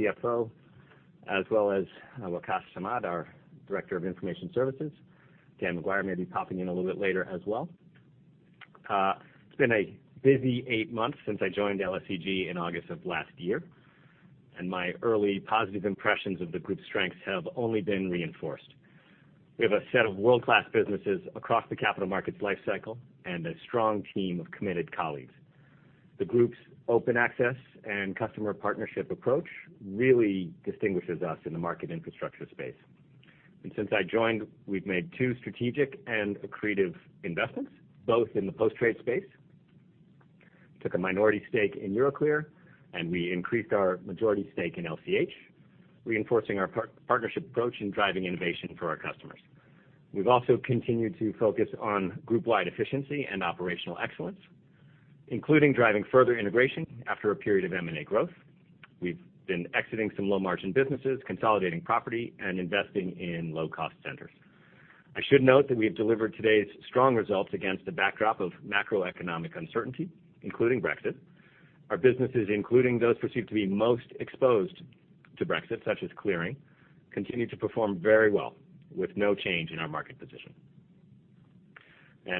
CFO, as well as Waqas Samad, our Director of Information Services. Dan Maguire may be popping in a little bit later as well. It has been a busy eight months since I joined LSEG in August of last year, and my early positive impressions of the group's strengths have only been reinforced. We have a set of world-class businesses across the capital markets lifecycle and a strong team of committed colleagues. The group's open access and customer partnership approach really distinguishes us in the market infrastructure space. Since I joined, we have made two strategic and accretive investments, both in the post-trade space. Took a minority stake in Euroclear, and we increased our majority stake in LCH, reinforcing our partnership approach in driving innovation for our customers. We have also continued to focus on group-wide efficiency and operational excellence, including driving further integration after a period of M&A growth. We have been exiting some low-margin businesses, consolidating property, and investing in low-cost centers. I should note that we have delivered today's strong results against the backdrop of macroeconomic uncertainty, including Brexit. Our businesses, including those perceived to be most exposed to Brexit, such as clearing, continue to perform very well with no change in our market position.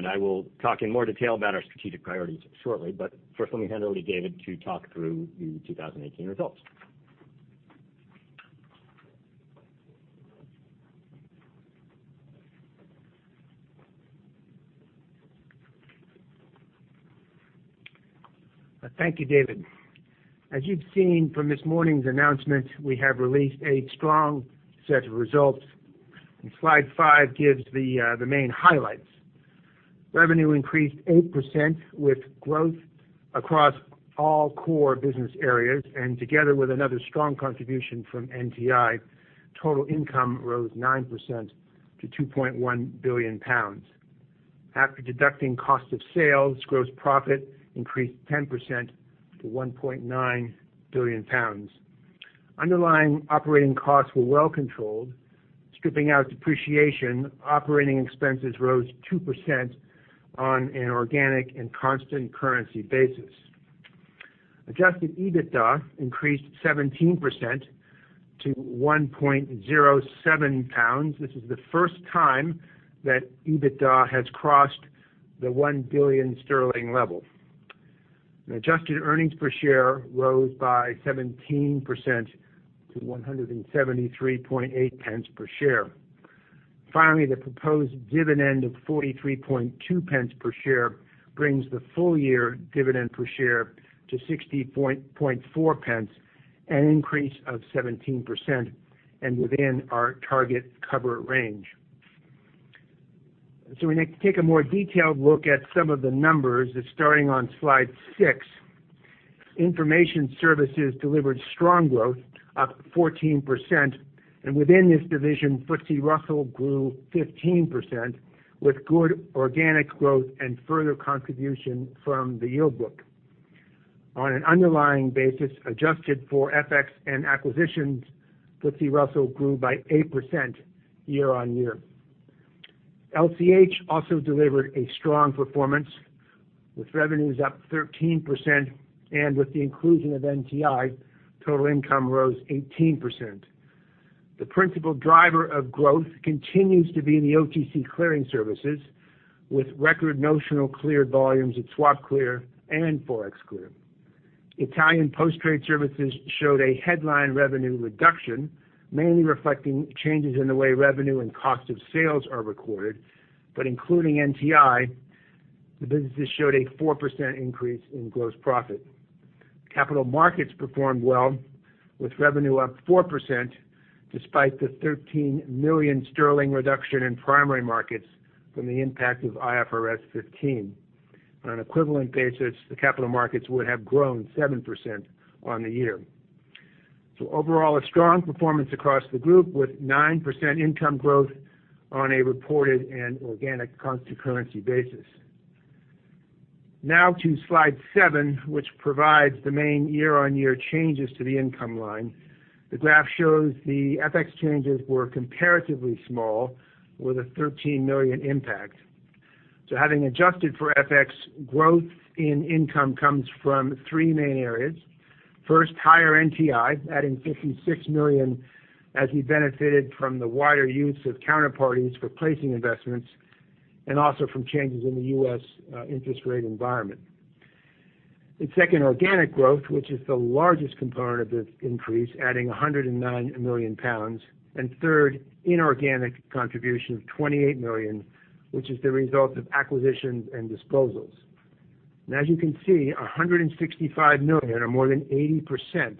I will talk in more detail about our strategic priorities shortly, but first let me hand over to David to talk through the 2018 results. Thank you, David. As you have seen from this morning's announcement, we have released a strong set of results, slide 5 gives the main highlights. Revenue increased 8% with growth across all core business areas, and together with another strong contribution from NTI, total income rose 9% to 2.1 billion pounds. After deducting cost of sales, gross profit increased 10% to 1.9 billion pounds. Underlying operating costs were well controlled. Stripping out depreciation, operating expenses rose 2% on an organic and constant currency basis. Adjusted EBITDA increased 17% to 1.07 pounds. This is the first time that EBITDA has crossed the 1 billion sterling level. Adjusted earnings per share rose by 17% to 1.738 per share. Finally, the proposed dividend of 0.432 per share brings the full-year dividend per share to 0.604, an increase of 17% and within our target cover range. When we take a more detailed look at some of the numbers starting on slide six. Information services delivered strong growth, up 14%, and within this division, FTSE Russell grew 15% with good organic growth and further contribution from The Yield Book. On an underlying basis, adjusted for FX and acquisitions, FTSE Russell grew by 8% year-on-year. LCH also delivered a strong performance, with revenues up 13%, and with the inclusion of NTI, total income rose 18%. The principal driver of growth continues to be in the OTC clearing services, with record notional cleared volumes at SwapClear and ForexClear. Italian post-trade services showed a headline revenue reduction, mainly reflecting changes in the way revenue and cost of sales are recorded, but including NTI, the businesses showed a 4% increase in gross profit. Capital markets performed well, with revenue up 4%, despite the 13 million sterling reduction in primary markets from the impact of IFRS 15. On an equivalent basis, the capital markets would have grown 7% on the year. Overall, a strong performance across the group with 9% income growth on a reported and organic constant currency basis. Now to slide seven, which provides the main year-on-year changes to the income line. The graph shows the FX changes were comparatively small, with a 13 million impact. Having adjusted for FX, growth in income comes from three main areas. First, higher NTI, adding 56 million as we benefited from the wider use of counterparties for placing investments and also from changes in the U.S. interest rate environment. Second, organic growth, which is the largest component of this increase, adding 109 million pounds. Third, inorganic contribution of 28 million, which is the result of acquisitions and disposals. As you can see, 165 million or more than 80%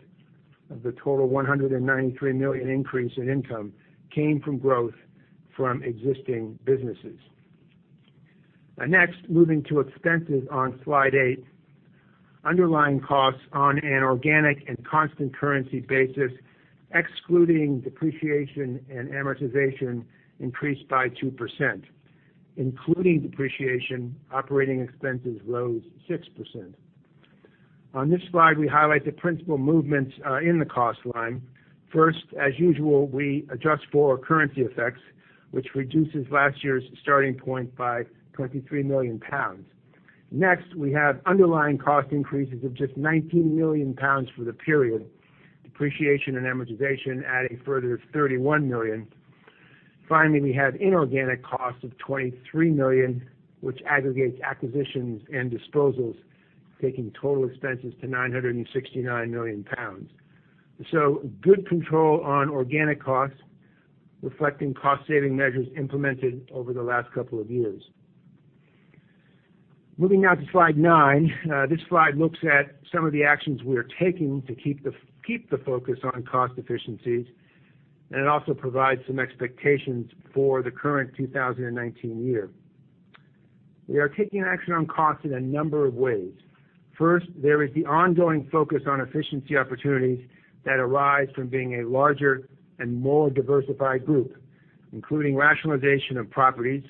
of the total 193 million increase in income came from growth from existing businesses. Next, moving to expenses on slide eight. Underlying costs on an organic and constant currency basis, excluding depreciation and amortization, increased by 2%. Including depreciation, operating expenses rose 6%. On this slide, we highlight the principal movements in the cost line. First, as usual, we adjust for currency effects, which reduces last year's starting point by 23 million pounds. Next, we have underlying cost increases of just 19 million pounds for the period, depreciation and amortization adding a further 31 million. Finally, we have inorganic costs of 23 million, which aggregates acquisitions and disposals, taking total expenses to 969 million pounds. Good control on organic costs, reflecting cost-saving measures implemented over the last couple of years. Moving now to slide nine. This slide looks at some of the actions we are taking to keep the focus on cost efficiencies, and it also provides some expectations for the current 2019 year. We are taking action on costs in a number of ways. First, there is the ongoing focus on efficiency opportunities that arise from being a larger and more diversified group, including rationalization of properties.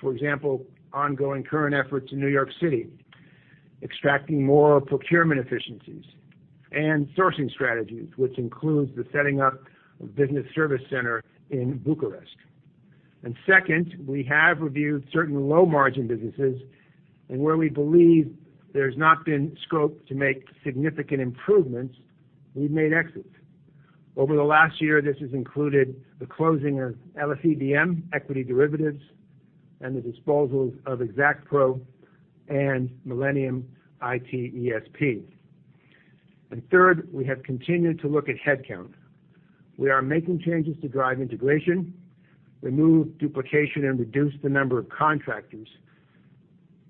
For example, ongoing current efforts in New York City, extracting more procurement efficiencies, and sourcing strategies, which includes the setting up of business service center in Bucharest. Second, we have reviewed certain low-margin businesses and where we believe there's not been scope to make significant improvements, we've made exits. Over the last year, this has included the closing of LSE DM equity derivatives and the disposals of Exactpro and MillenniumIT ESP. Third, we have continued to look at headcount. We are making changes to drive integration, remove duplication, and reduce the number of contractors,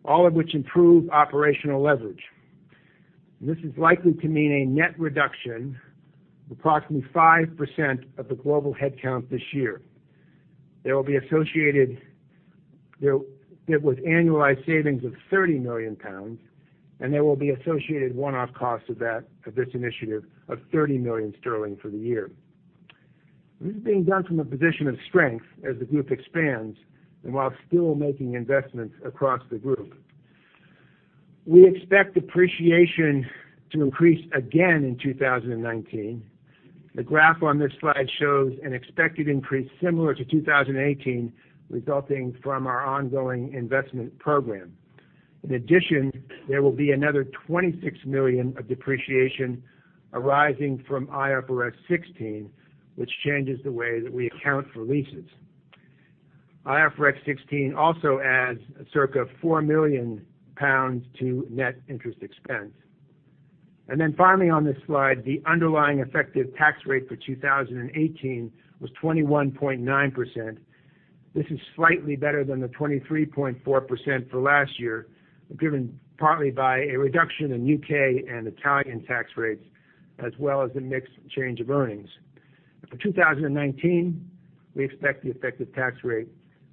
all of which improve operational leverage. This is likely to mean a net reduction of approximately 5% of the global headcount this year. It was annualized savings of 30 million pounds, and there will be associated one-off costs of this initiative of 30 million sterling for the year. This is being done from a position of strength as the group expands and while still making investments across the group. We expect depreciation to increase again in 2019. The graph on this slide shows an expected increase similar to 2018, resulting from our ongoing investment program. In addition, there will be another 26 million of depreciation arising from IFRS 16, which changes the way that we account for leases. IFRS 16 also adds circa 4 million pounds to net interest expense. Finally on this slide, the underlying effective tax rate for 2018 was 21.9%. This is slightly better than the 23.4% for last year, driven partly by a reduction in U.K. and Italian tax rates, as well as the mix change of earnings. For 2019, we expect the effective tax rate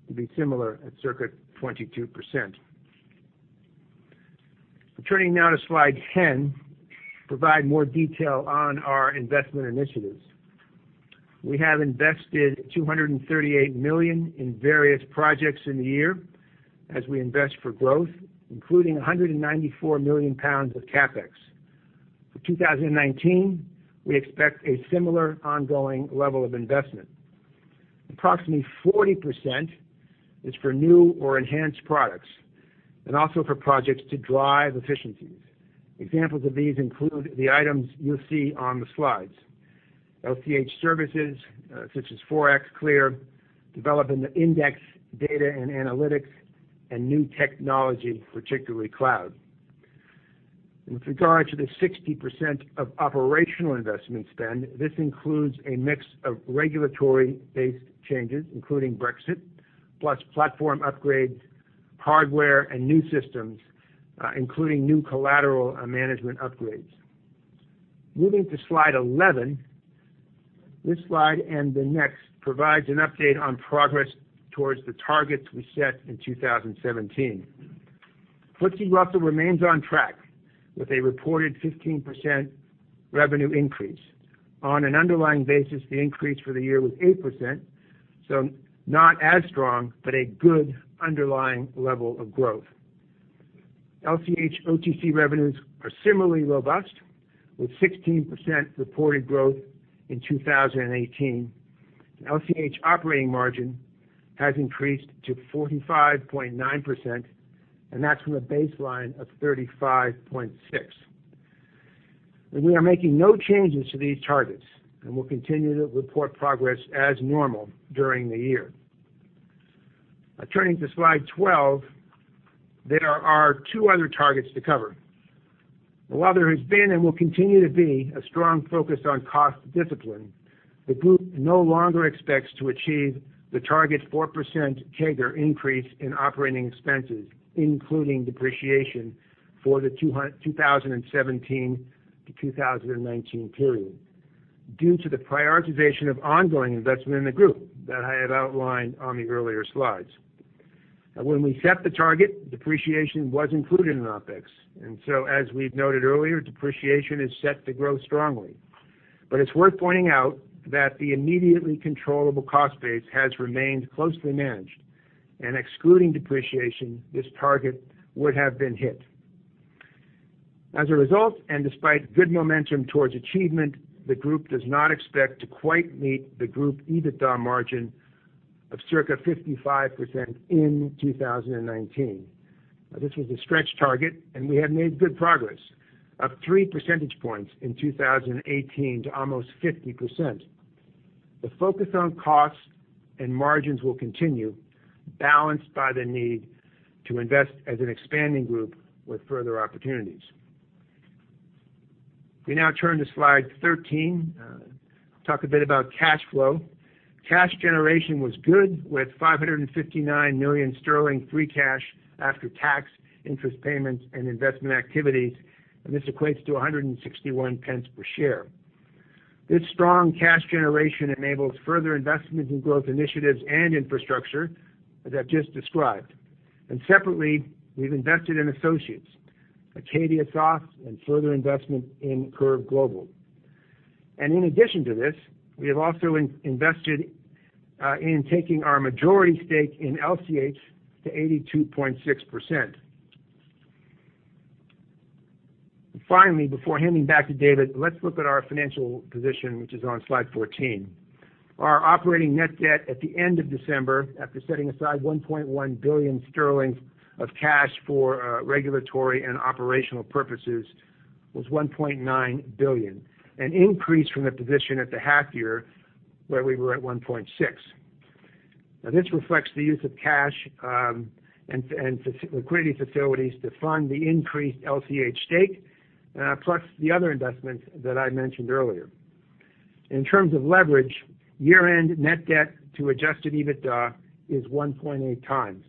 to be similar at circa 22%. Turning now to slide 10, provide more detail on our investment initiatives. We have invested 238 million in various projects in the year as we invest for growth, including 194 million pounds of CapEx. For 2019, we expect a similar ongoing level of investment. Approximately 40% is for new or enhanced products, and also for projects to drive efficiencies. Examples of these include the items you'll see on the slides. LCH services, such as ForexClear, developing the index data and analytics, and new technology, particularly cloud. With regard to the 60% of operational investment spend, this includes a mix of regulatory-based changes, including Brexit, plus platform upgrades, hardware, and new systems, including new collateral management upgrades. Moving to slide 11. This slide and the next provides an update on progress towards the targets we set in 2017. FTSE Russell remains on track with a reported 15% revenue increase. On an underlying basis, the increase for the year was 8%, so not as strong, but a good underlying level of growth. LCH OTC revenues are similarly robust, with 16% reported growth in 2018. LCH operating margin has increased to 45.9%, and that's from a baseline of 35.6%. We are making no changes to these targets and will continue to report progress as normal during the year. Turning to slide 12, there are two other targets to cover. While there has been and will continue to be a strong focus on cost discipline, the group no longer expects to achieve the target 4% CAGR increase in operating expenses, including depreciation for the 2017-2019 period due to the prioritization of ongoing investment in the group that I have outlined on the earlier slides. When we set the target, depreciation was included in OpEx, as we've noted earlier, depreciation is set to grow strongly. It's worth pointing out that the immediately controllable cost base has remained closely managed, and excluding depreciation, this target would have been hit. As a result, despite good momentum towards achievement, the group does not expect to quite meet the group EBITDA margin of circa 55% in 2019. This was a stretch target, and we have made good progress, up three percentage points in 2018 to almost 50%. The focus on costs and margins will continue, balanced by the need to invest as an expanding group with further opportunities. We now turn to slide 13. Talk a bit about cash flow. Cash generation was good, with 559 million sterling free cash after tax, interest payments, and investment activities. This equates to 1.61 per share. This strong cash generation enables further investments in growth initiatives and infrastructure, as I've just described. Separately, we've invested in associates, AcadiaSoft, and further investment in CurveGlobal. In addition to this, we have also invested in taking our majority stake in LCH to 82.6%. Finally, before handing back to David, let's look at our financial position, which is on slide 14. Our operating net debt at the end of December, after setting aside 1.1 billion sterling of cash for regulatory and operational purposes, was 1.9 billion, an increase from the position at the half year where we were at 1.6 billion. This reflects the use of cash and liquidity facilities to fund the increased LCH stake, plus the other investments that I mentioned earlier. In terms of leverage, year-end net debt to adjusted EBITDA is 1.8 times.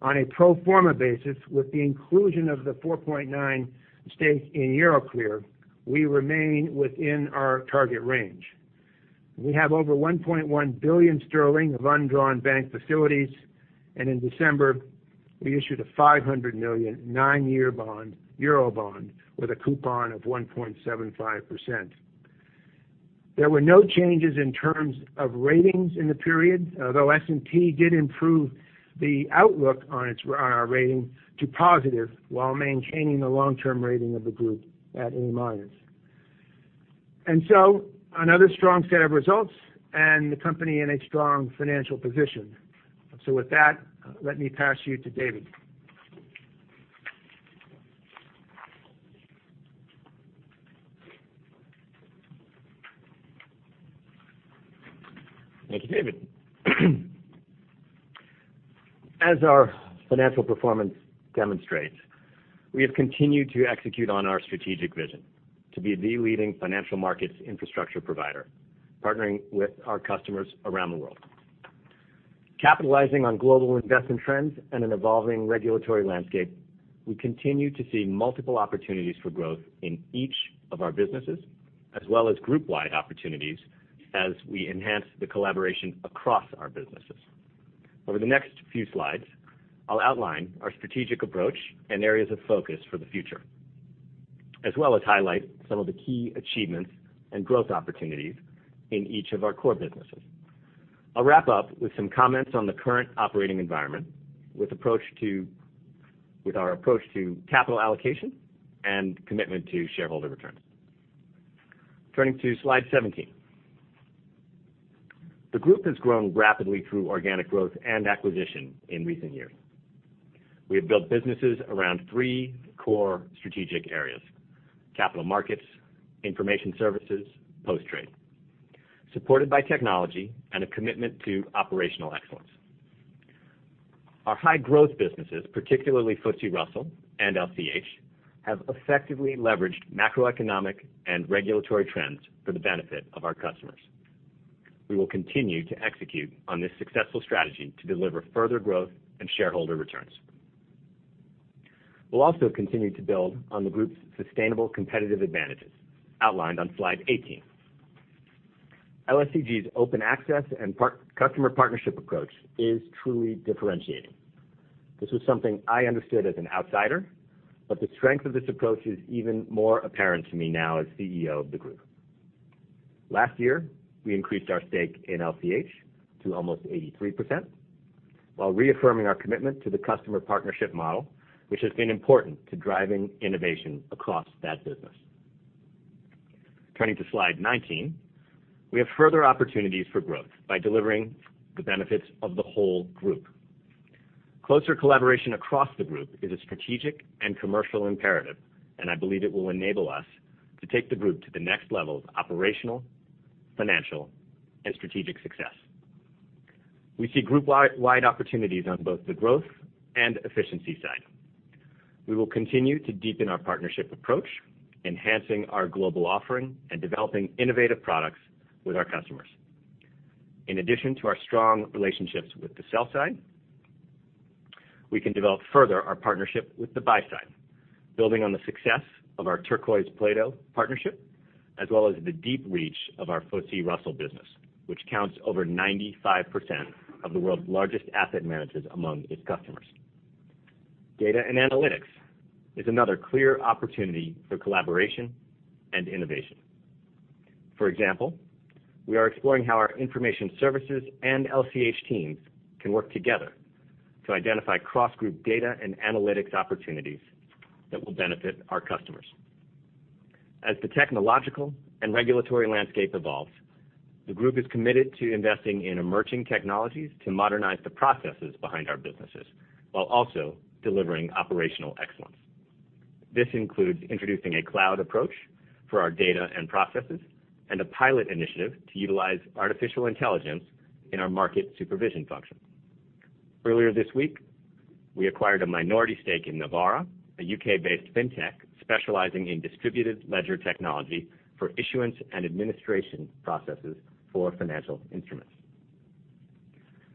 On a pro forma basis, with the inclusion of the 4.9 stake in Euroclear, we remain within our target range. We have over 1.1 billion sterling of undrawn bank facilities, and in December, we issued a 500 million nine-year euro bond with a coupon of 1.75%. There were no changes in terms of ratings in the period, although S&P did improve the outlook on our rating to positive while maintaining the long-term rating of the group at A-minus. Another strong set of results and the company in a strong financial position. With that, let me pass you to David. Thank you, David. As our financial performance demonstrates, we have continued to execute on our strategic vision to be the leading financial markets infrastructure provider, partnering with our customers around the world. Capitalizing on global investment trends and an evolving regulatory landscape, we continue to see multiple opportunities for growth in each of our businesses, as well as group-wide opportunities as we enhance the collaboration across our businesses. Over the next few slides, I'll outline our strategic approach and areas of focus for the future, as well as highlight some of the key achievements and growth opportunities in each of our core businesses. I'll wrap up with some comments on the current operating environment with our approach to capital allocation and commitment to shareholder returns. Turning to slide 17. The group has grown rapidly through organic growth and acquisition in recent years. We have built businesses around three core strategic areas, capital markets, information services, post-trade, supported by technology and a commitment to operational excellence. Our high-growth businesses, particularly FTSE Russell and LCH, have effectively leveraged macroeconomic and regulatory trends for the benefit of our customers. We will continue to execute on this successful strategy to deliver further growth and shareholder returns. We'll also continue to build on the group's sustainable competitive advantages outlined on slide 18. LSEG's open access and customer partnership approach is truly differentiating. This was something I understood as an outsider, but the strength of this approach is even more apparent to me now as CEO of the group. Last year, we increased our stake in LCH to almost 83%, while reaffirming our commitment to the customer partnership model, which has been important to driving innovation across that business. Turning to slide 19. We have further opportunities for growth by delivering the benefits of the whole group. Closer collaboration across the group is a strategic and commercial imperative. I believe it will enable us to take the group to the next level of operational, financial, and strategic success. We see group-wide opportunities on both the growth and efficiency side. We will continue to deepen our partnership approach, enhancing our global offering and developing innovative products with our customers. In addition to our strong relationships with the sell side, we can develop further our partnership with the buy side, building on the success of our Turquoise Plato partnership, as well as the deep reach of our FTSE Russell business, which counts over 95% of the world's largest asset managers among its customers. Data and analytics is another clear opportunity for collaboration and innovation. For example, we are exploring how our Information Services and LCH teams can work together to identify cross-group data and analytics opportunities that will benefit our customers. As the technological and regulatory landscape evolves, the group is committed to investing in emerging technologies to modernize the processes behind our businesses while also delivering operational excellence. This includes introducing a cloud approach for our data and processes and a pilot initiative to utilize artificial intelligence in our market supervision function. Earlier this week, we acquired a minority stake in Nivaura, a U.K.-based fintech specializing in distributed ledger technology for issuance and administration processes for financial instruments.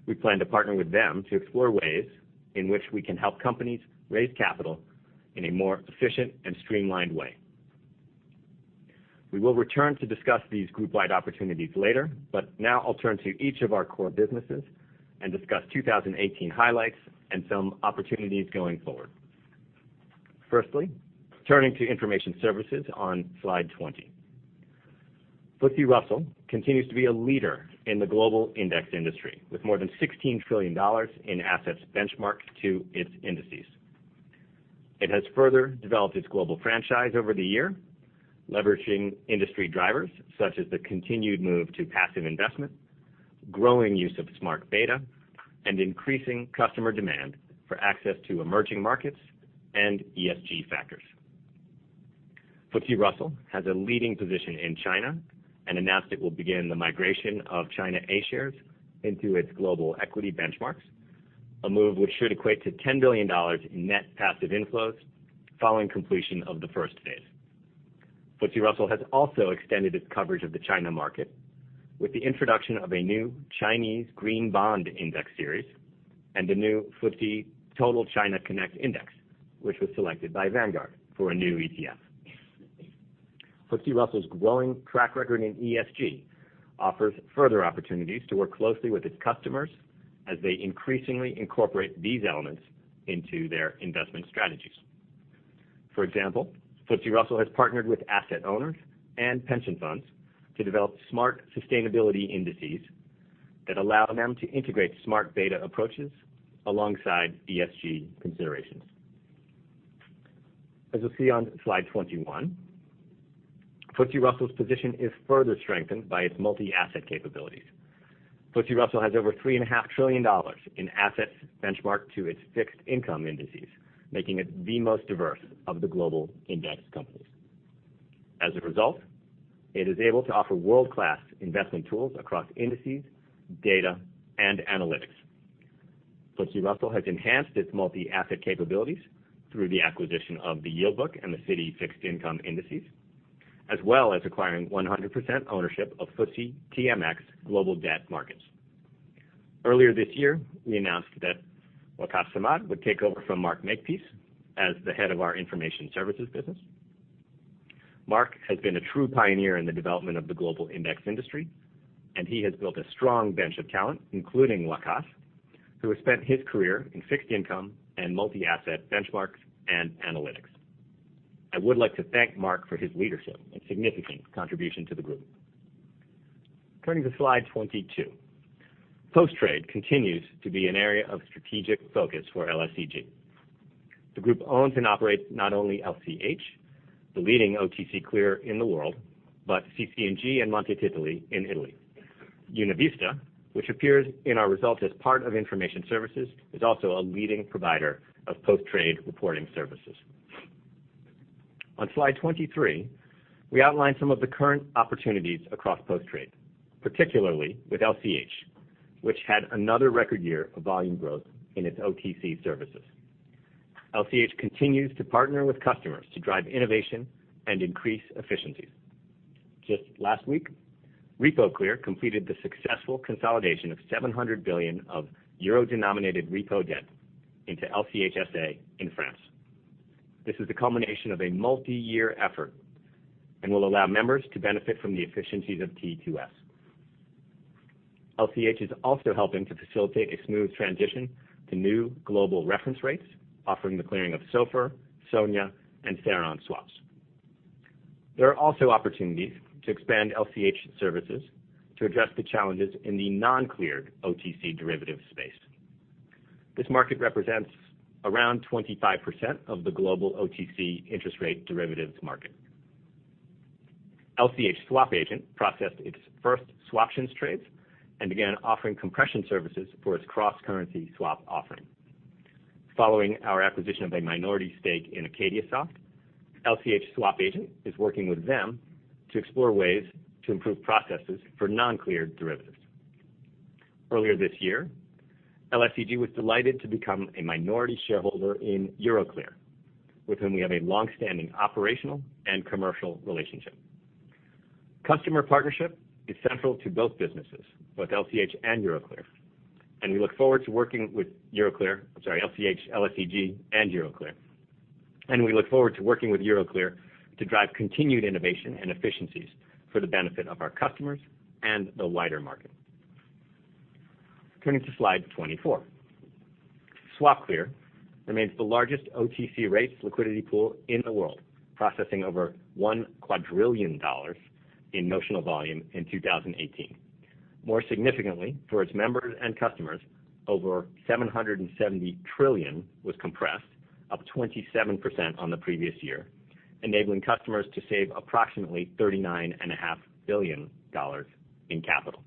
We plan to partner with them to explore ways in which we can help companies raise capital in a more efficient and streamlined way. We will return to discuss these group-wide opportunities later. Now I'll turn to each of our core businesses and discuss 2018 highlights and some opportunities going forward. Firstly, turning to Information Services on slide 20. FTSE Russell continues to be a leader in the global index industry, with more than $16 trillion in assets benchmarked to its indices. It has further developed its global franchise over the year, leveraging industry drivers such as the continued move to passive investment, growing use of smart beta, and increasing customer demand for access to emerging markets and ESG factors. FTSE Russell has a leading position in China and announced it will begin the migration of China A-shares into its global equity benchmarks, a move which should equate to $10 billion in net passive inflows following completion of the first phase. FTSE Russell has also extended its coverage of the China market with the introduction of a new Chinese green bond index series and a new FTSE Total China Connect Index, which was selected by Vanguard for a new ETF. FTSE Russell's growing track record in ESG offers further opportunities to work closely with its customers as they increasingly incorporate these elements into their investment strategies. For example, FTSE Russell has partnered with asset owners and pension funds to develop smart sustainability indices that allow them to integrate smart beta approaches alongside ESG considerations. As you'll see on slide 21, FTSE Russell's position is further strengthened by its multi-asset capabilities. FTSE Russell has over three and a half trillion dollars in assets benchmarked to its fixed income indices, making it the most diverse of the global index companies. As a result, it is able to offer world-class investment tools across indices, data, and analytics. FTSE Russell has enhanced its multi-asset capabilities through the acquisition of The Yield Book and the Citi Fixed Income Indices, as well as acquiring 100% ownership of FTSE TMX Global Debt Markets. Earlier this year, we announced that Waqas Samad would take over from Mark Makepeace as the head of our Information Services business. Mark has been a true pioneer in the development of the global index industry, and he has built a strong bench of talent, including Waqas, who has spent his career in fixed income and multi-asset benchmarks and analytics. I would like to thank Mark for his leadership and significant contribution to the group. Turning to slide 22. Post-trade continues to be an area of strategic focus for LSEG. The group owns and operates not only LCH, the leading OTC clear in the world, but CC&G and Monte Titoli in Italy. UnaVista, which appears in our results as part of Information Services, is also a leading provider of post-trade reporting services. On slide 23, we outline some of the current opportunities across post-trade, particularly with LCH, which had another record year of volume growth in its OTC services. LCH continues to partner with customers to drive innovation and increase efficiencies. Just last week, RepoClear completed the successful consolidation of 700 billion of euro-denominated repo debt into LCH SA in France. This is the culmination of a multi-year effort and will allow members to benefit from the efficiencies of T2S. LCH is also helping to facilitate a smooth transition to new global reference rates, offering the clearing of SOFR, SONIA, and SARON swaps. There are also opportunities to expand LCH services to address the challenges in the non-cleared OTC derivative space. This market represents around 25% of the global OTC interest rate derivatives market. LCH SwapAgent processed its first swaptions trades and began offering compression services for its cross-currency swap offering. Following our acquisition of a minority stake in AcadiaSoft, LCH SwapAgent is working with them to explore ways to improve processes for non-cleared derivatives. Earlier this year, LSEG was delighted to become a minority shareholder in Euroclear, with whom we have a long-standing operational and commercial relationship. Customer partnership is central to both businesses, both LCH and Euroclear. We look forward to working with LCH, LSEG, and Euroclear to drive continued innovation and efficiencies for the benefit of our customers and the wider market. Turning to slide 24. SwapClear remains the largest OTC rates liquidity pool in the world, processing over GBP 1 quadrillion in notional volume in 2018. More significantly, for its members and customers, over 770 trillion was compressed, up 27% on the previous year, enabling customers to save approximately GBP 39.5 billion in capital.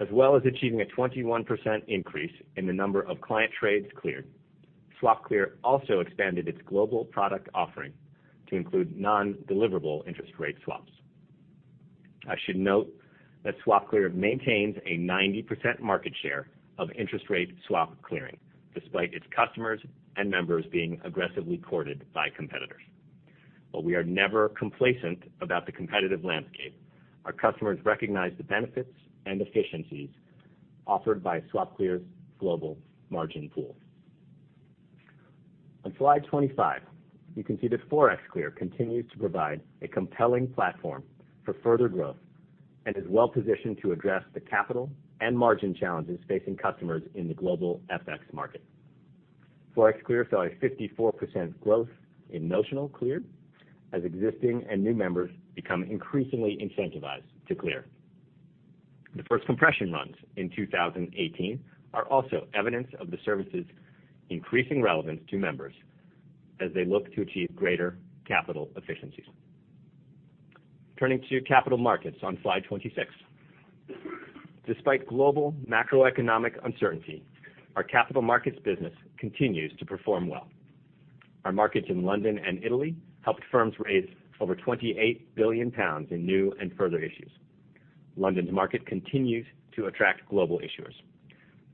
As well as achieving a 21% increase in the number of client trades cleared, SwapClear also expanded its global product offering to include non-deliverable interest rate swaps. I should note that SwapClear maintains a 90% market share of interest rate swap clearing, despite its customers and members being aggressively courted by competitors. We are never complacent about the competitive landscape. Our customers recognize the benefits and efficiencies offered by SwapClear's global margin pool. On slide 25, you can see that ForexClear continues to provide a compelling platform for further growth and is well-positioned to address the capital and margin challenges facing customers in the global FX market. ForexClear saw a 54% growth in notional cleared as existing and new members become increasingly incentivized to clear. The first compression runs in 2018 are also evidence of the service's increasing relevance to members as they look to achieve greater capital efficiencies. Turning to capital markets on slide 26. Despite global macroeconomic uncertainty, our capital markets business continues to perform well. Our markets in London and Italy helped firms raise over 28 billion pounds in new and further issues. London's market continues to attract global issuers.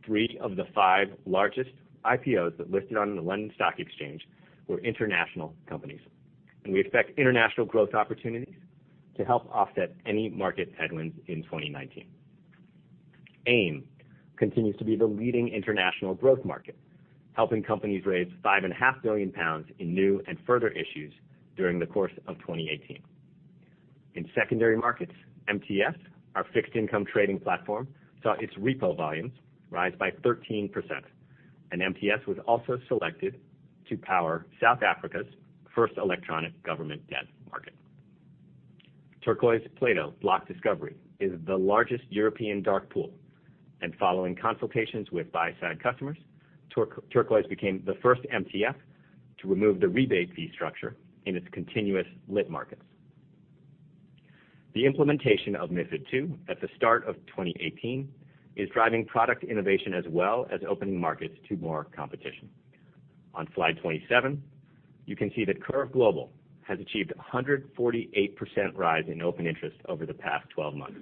Three of the five largest IPOs that listed on the London Stock Exchange were international companies, and we expect international growth opportunities to help offset any market headwinds in 2019. AIM continues to be the leading international growth market, helping companies raise 5.5 billion pounds in new and further issues during the course of 2018. In secondary markets, MTS, our fixed-income trading platform, saw its repo volumes rise by 13%, and MTS was also selected to power South Africa's first electronic government debt market. Turquoise Plato Block Discovery is the largest European dark pool, and following consultations with buy-side customers, Turquoise became the first MTF to remove the rebate fee structure in its continuous lit markets. The implementation of MiFID II at the start of 2018 is driving product innovation as well as opening markets to more competition. On slide 27, you can see that CurveGlobal has achieved 148% rise in open interest over the past 12 months.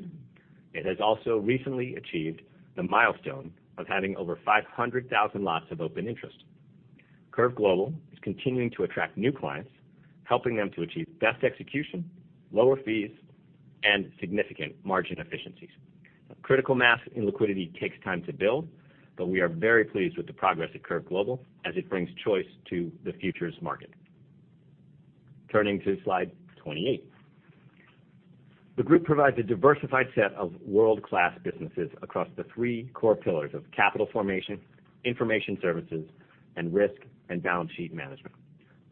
It has also recently achieved the milestone of having over 500,000 lots of open interest. CurveGlobal is continuing to attract new clients, helping them to achieve best execution, lower fees, and significant margin efficiencies. Critical mass in liquidity takes time to build, but we are very pleased with the progress at CurveGlobal as it brings choice to the futures market. Turning to slide 28. The group provides a diversified set of world-class businesses across the three core pillars of capital formation, information services, and risk and balance sheet management,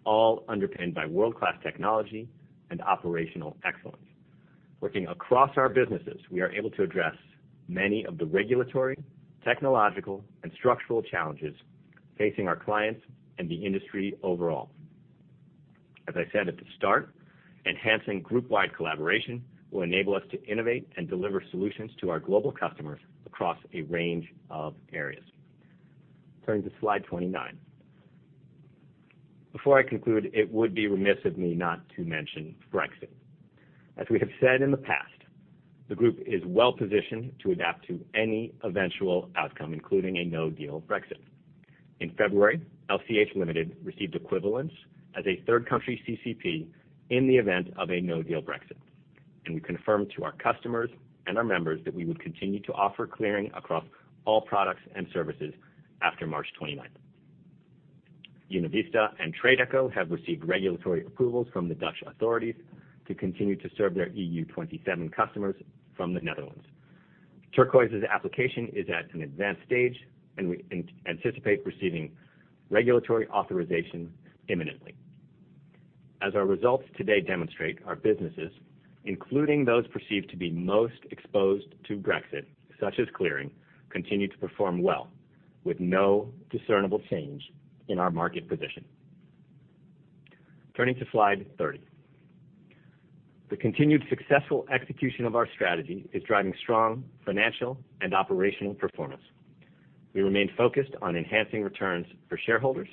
all underpinned by world-class technology and operational excellence. Working across our businesses, we are able to address many of the regulatory, technological, and structural challenges facing our clients and the industry overall. As I said at the start, enhancing group-wide collaboration will enable us to innovate and deliver solutions to our global customers across a range of areas. Turning to slide 29. Before I conclude, it would be remiss of me not to mention Brexit. As we have said in the past, the group is well-positioned to adapt to any eventual outcome, including a no-deal Brexit. In February, LCH Limited received equivalence as a third country CCP in the event of a no-deal Brexit, and we confirmed to our customers and our members that we would continue to offer clearing across all products and services after March 29th. UnaVista and TRADEcho have received regulatory approvals from the Dutch authorities to continue to serve their EU-27 customers from the Netherlands. Turquoise's application is at an advanced stage, and we anticipate receiving regulatory authorization imminently. As our results today demonstrate, our businesses, including those perceived to be most exposed to Brexit, such as clearing, continue to perform well with no discernible change in our market position. Turning to slide 30. The continued successful execution of our strategy is driving strong financial and operational performance. We remain focused on enhancing returns for shareholders.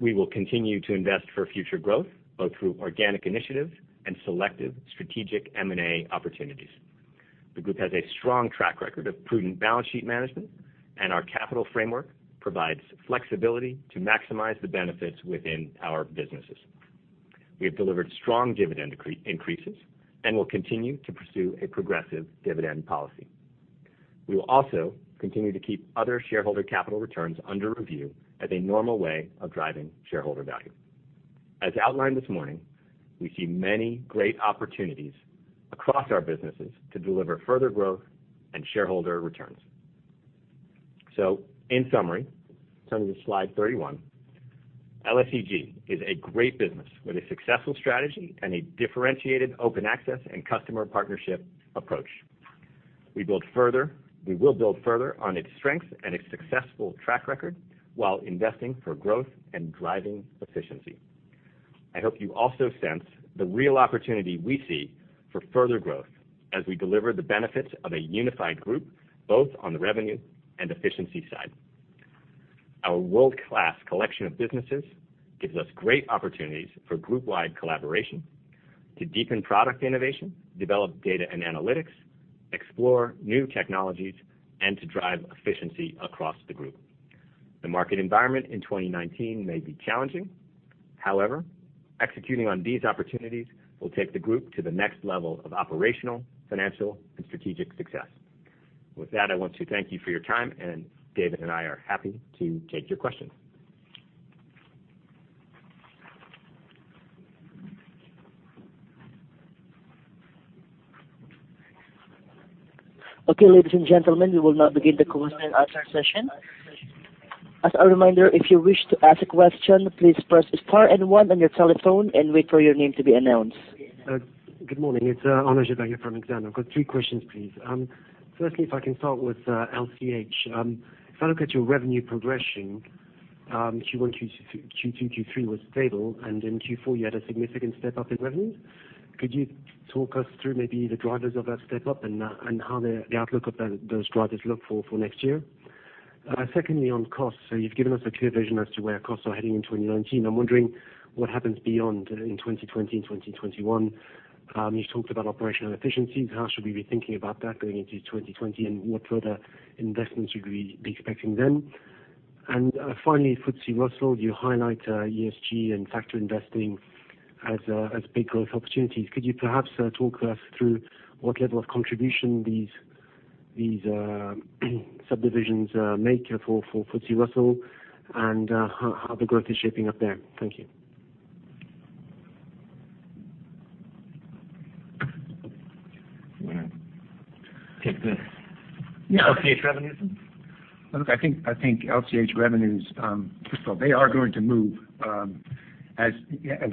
We will continue to invest for future growth, both through organic initiatives and selective strategic M&A opportunities. The group has a strong track record of prudent balance sheet management, and our capital framework provides flexibility to maximize the benefits within our businesses. We have delivered strong dividend increases and will continue to pursue a progressive dividend policy. We will also continue to keep other shareholder capital returns under review as a normal way of driving shareholder value. As outlined this morning, we see many great opportunities across our businesses to deliver further growth and shareholder returns. In summary, turning to slide 31, LSEG is a great business with a successful strategy and a differentiated open access and customer partnership approach. We will build further on its strength and its successful track record while investing for growth and driving efficiency. I hope you also sense the real opportunity we see for further growth as we deliver the benefits of a unified group, both on the revenue and efficiency side. Our world-class collection of businesses gives us great opportunities for group-wide collaboration to deepen product innovation, develop data and analytics, explore new technologies, and to drive efficiency across the group. The market environment in 2019 may be challenging. However, executing on these opportunities will take the group to the next level of operational, financial, and strategic success. With that, I want to thank you for your time, and David and I are happy to take your questions. Okay, ladies and gentlemen, we will now begin the question and answer session. As a reminder, if you wish to ask a question, please press star and one on your telephone and wait for your name to be announced. Good morning. It's Arnaud Giblat from Exane. I've got three questions, please. Firstly, if I can start with LCH. If I look at your revenue progression, Q1, Q2, Q3 was stable, and in Q4, you had a significant step-up in revenue. Could you talk us through maybe the drivers of that step-up and how the outlook of those drivers look for next year? Secondly, on costs. You've given us a clear vision as to where costs are heading in 2019. I'm wondering what happens beyond in 2020 and 2021. You've talked about operational efficiencies. How should we be thinking about that going into 2020, and what further investments should we be expecting then? Finally, FTSE Russell, you highlight ESG and factor investing as big growth opportunities. Could you perhaps talk us through what level of contribution these subdivisions make for FTSE Russell and how the growth is shaping up there? Thank you. You want to take? Yeah LCH revenues? Look, I think LCH revenues, first of all, they are going to move as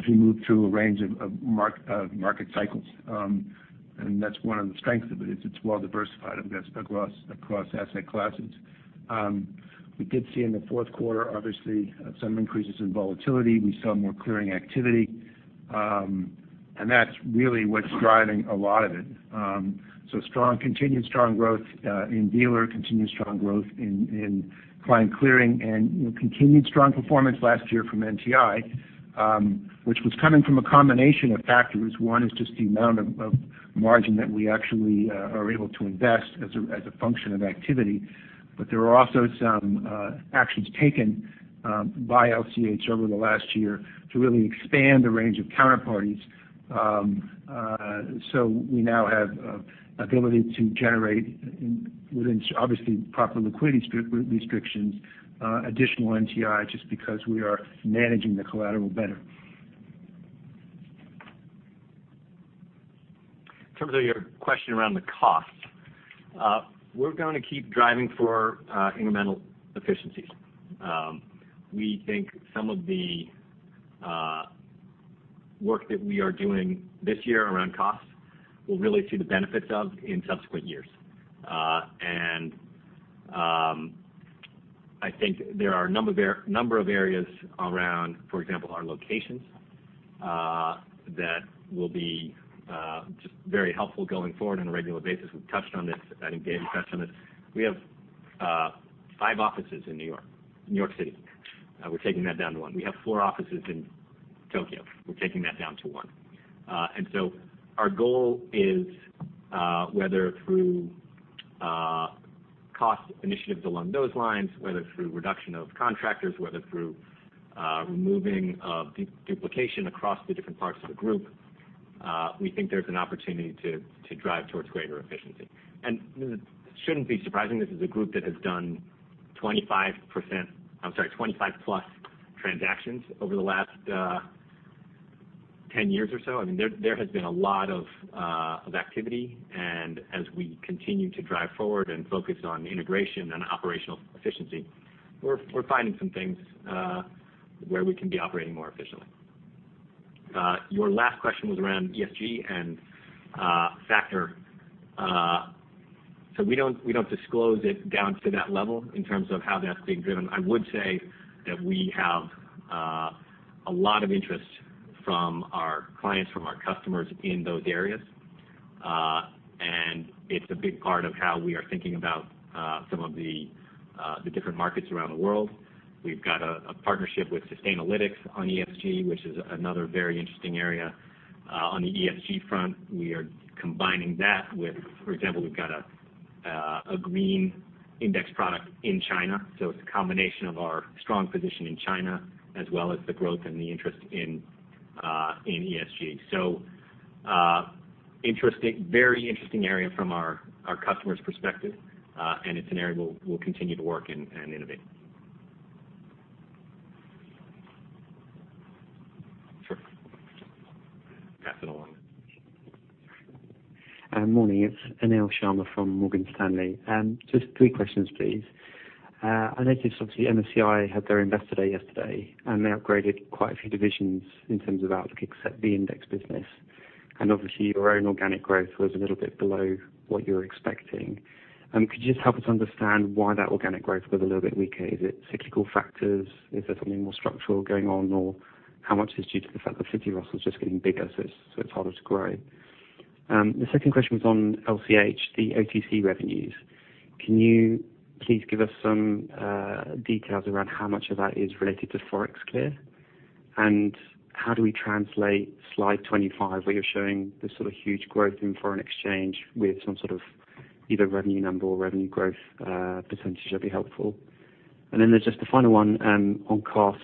we move through a range of market cycles. That's one of the strengths of it, is it's well-diversified, I guess, across asset classes. We did see in the fourth quarter, obviously, some increases in volatility. We saw more clearing activity. That's really what's driving a lot of it. Continued strong growth in dealer, continued strong growth in client clearing and continued strong performance last year from NTI, which was coming from a combination of factors. One is just the amount of margin that we actually are able to invest as a function of activity. There are also some actions taken by LCH over the last year to really expand the range of counterparties. We now have ability to generate, within obviously proper liquidity restrictions, additional NTI just because we are managing the collateral better. In terms of your question around the cost, we're going to keep driving for incremental efficiencies. We think some of the work that we are doing this year around costs, we'll really see the benefits of in subsequent years. I think there are a number of areas around, for example, our locations, that will be just very helpful going forward on a regular basis. We've touched on this. I think David touched on this. We have five offices in New York City. We're taking that down to one. We have four offices in Tokyo. We're taking that down to one. Our goal is, whether through cost initiatives along those lines, whether through reduction of contractors, whether through removing duplication across the different parts of the group, we think there's an opportunity to drive towards greater efficiency. It shouldn't be surprising. This is a group that has done 25-plus transactions over the last 10 years or so. There has been a lot of activity, as we continue to drive forward and focus on integration and operational efficiency, we're finding some things where we can be operating more efficiently. Your last question was around ESG and factor. We don't disclose it down to that level in terms of how that's being driven. I would say that we have a lot of interest from our clients, from our customers in those areas. It's a big part of how we are thinking about some of the different markets around the world. We've got a partnership with Sustainalytics on ESG, which is another very interesting area. On the ESG front, we are combining that with, for example, we've got a green index product in China. It's a combination of our strong position in China, as well as the growth and the interest in ESG. Very interesting area from our customer's perspective, and it's an area we'll continue to work in and innovate. Sure. Pass it along. Morning, it's Anil Sharma from Morgan Stanley. Just three questions, please. I noticed, obviously, MSCI had their investor day yesterday, and they upgraded quite a few divisions in terms of outlook, except the index business. Obviously, your own organic growth was a little bit below what you were expecting. Could you just help us understand why that organic growth was a little bit weaker? Is it cyclical factors? Is there something more structural going on, or how much is due to the fact that FTSE Russell's just getting bigger, so it's harder to grow? The second question was on LCH, the OTC revenues. Can you please give us some details around how much of that is related to ForexClear, and how do we translate slide 25, where you're showing the huge growth in foreign exchange with some sort of either revenue number or revenue growth % would be helpful. There's just the final one on costs.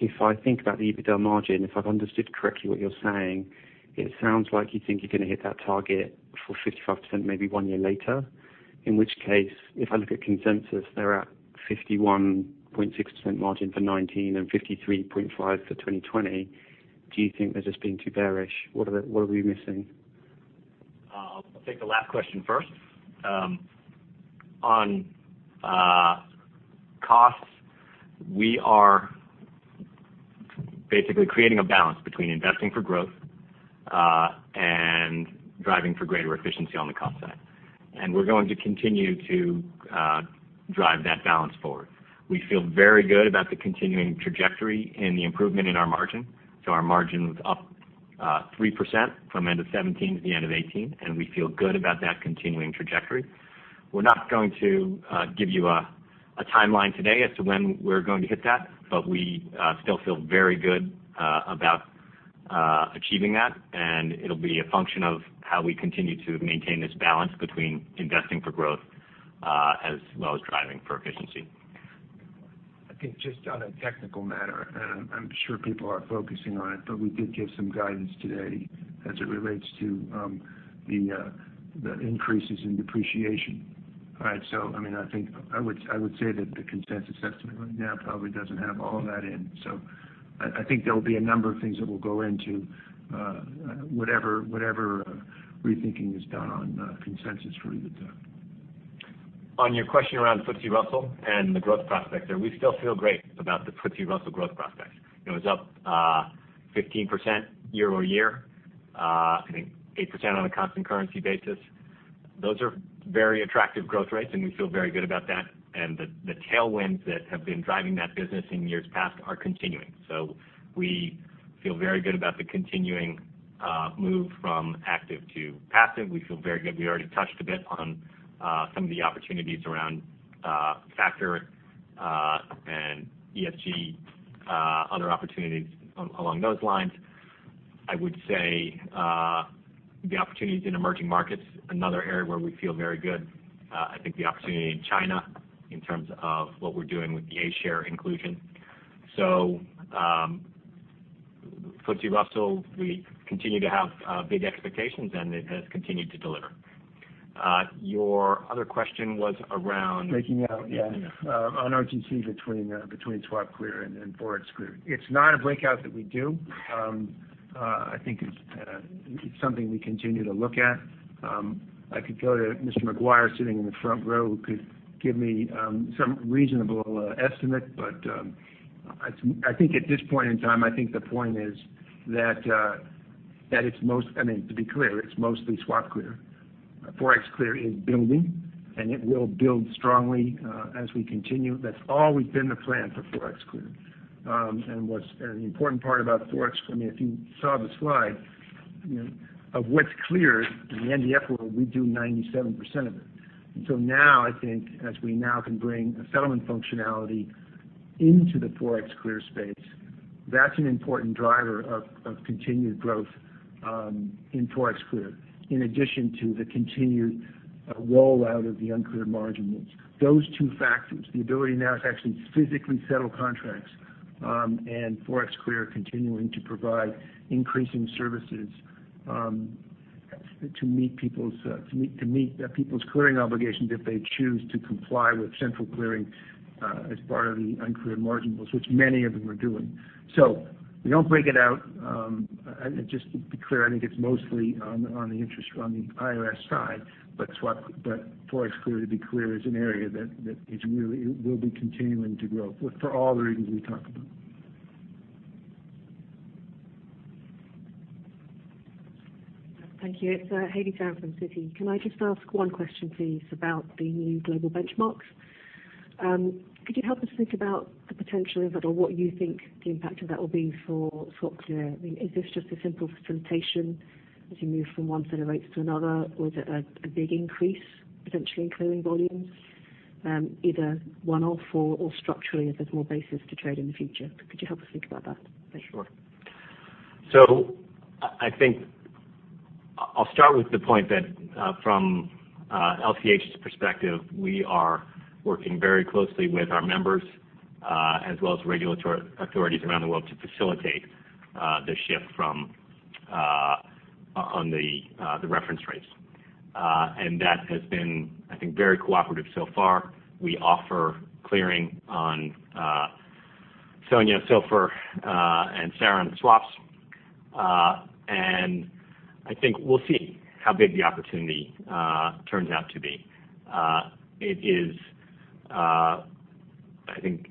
If I think about the EBITDA margin, if I've understood correctly what you're saying, it sounds like you think you're going to hit that target for 55%, maybe one year later. In which case, if I look at consensus, they're at 51.6% margin for 2019 and 53.5% for 2020. Do you think they're just being too bearish? What are we missing? I'll take the last question first. On costs, we are basically creating a balance between investing for growth, and driving for greater efficiency on the cost side. We're going to continue to drive that balance forward. We feel very good about the continuing trajectory and the improvement in our margin. Our margin was up 3% from end of 2017 to the end of 2018, and we feel good about that continuing trajectory. We're not going to give you a timeline today as to when we're going to hit that, but we still feel very good about achieving that, and it'll be a function of how we continue to maintain this balance between investing for growth, as well as driving for efficiency. I think just on a technical matter, I'm sure people are focusing on it, but we did give some guidance today as it relates to the increases in depreciation. I would say that the consensus estimate right now probably doesn't have all of that in. I think there'll be a number of things that we'll go into, whatever rethinking is done on consensus for the- On your question around FTSE Russell and the growth prospects there, we still feel great about the FTSE Russell growth prospects. It was up 15% year-over-year. I think 8% on a constant currency basis. Those are very attractive growth rates, and we feel very good about that, and the tailwinds that have been driving that business in years past are continuing. We feel very good about the continuing move from active to passive. We feel very good. We already touched a bit on some of the opportunities around factor, and ESG, other opportunities along those lines. I would say, the opportunities in emerging markets, another area where we feel very good. I think the opportunity in China in terms of what we're doing with the A-share inclusion. FTSE Russell, we continue to have big expectations, and it has continued to deliver. Your other question was around- Breaking out, yeah. On OTC between SwapClear and ForexClear. It's not a breakout that we do. I think it's something we continue to look at. I could go to Mr. Maguire sitting in the front row who could give me some reasonable estimate. I think at this point in time, I think the point is that it's mostly SwapClear. ForexClear is building, and it will build strongly as we continue. That's always been the plan for ForexClear. The important part about Forex If you saw the slide of what's cleared in the NDF world, we do 97% of it. Now I think, as we now can bring a settlement functionality into the ForexClear space, that's an important driver of continued growth in ForexClear, in addition to the continued rollout of the Uncleared Margin Rules. Those two factors, the ability now to actually physically settle contracts, and ForexClear continuing to provide increasing services to meet people's clearing obligations if they choose to comply with central clearing as part of the Uncleared Margin Rules, which many of them are doing. We don't break it out. Just to be clear, I think it's mostly on the IRS side, but ForexClear, to be clear, is an area that will be continuing to grow for all the reasons we talked about. Thank you. It's Haley Tam from Citi. Can I just ask one question, please, about the new global benchmarks? Could you help us think about the potential of it or what you think the impact of that will be for SwapClear? Is this just a simple facilitation as you move from one set of rates to another? Was it a big increase, potentially in clearing volumes, either one or four, or structurally, if there's more basis to trade in the future? Could you help us think about that? Thank you. Sure. I'll start with the point that from LCH's perspective, we are working very closely with our members, as well as regulatory authorities around the world to facilitate the shift on the reference rates. That has been, I think, very cooperative so far. We offer clearing on SONIA, SOFR, and SARON swaps. I think we'll see how big the opportunity turns out to be. It is, I think,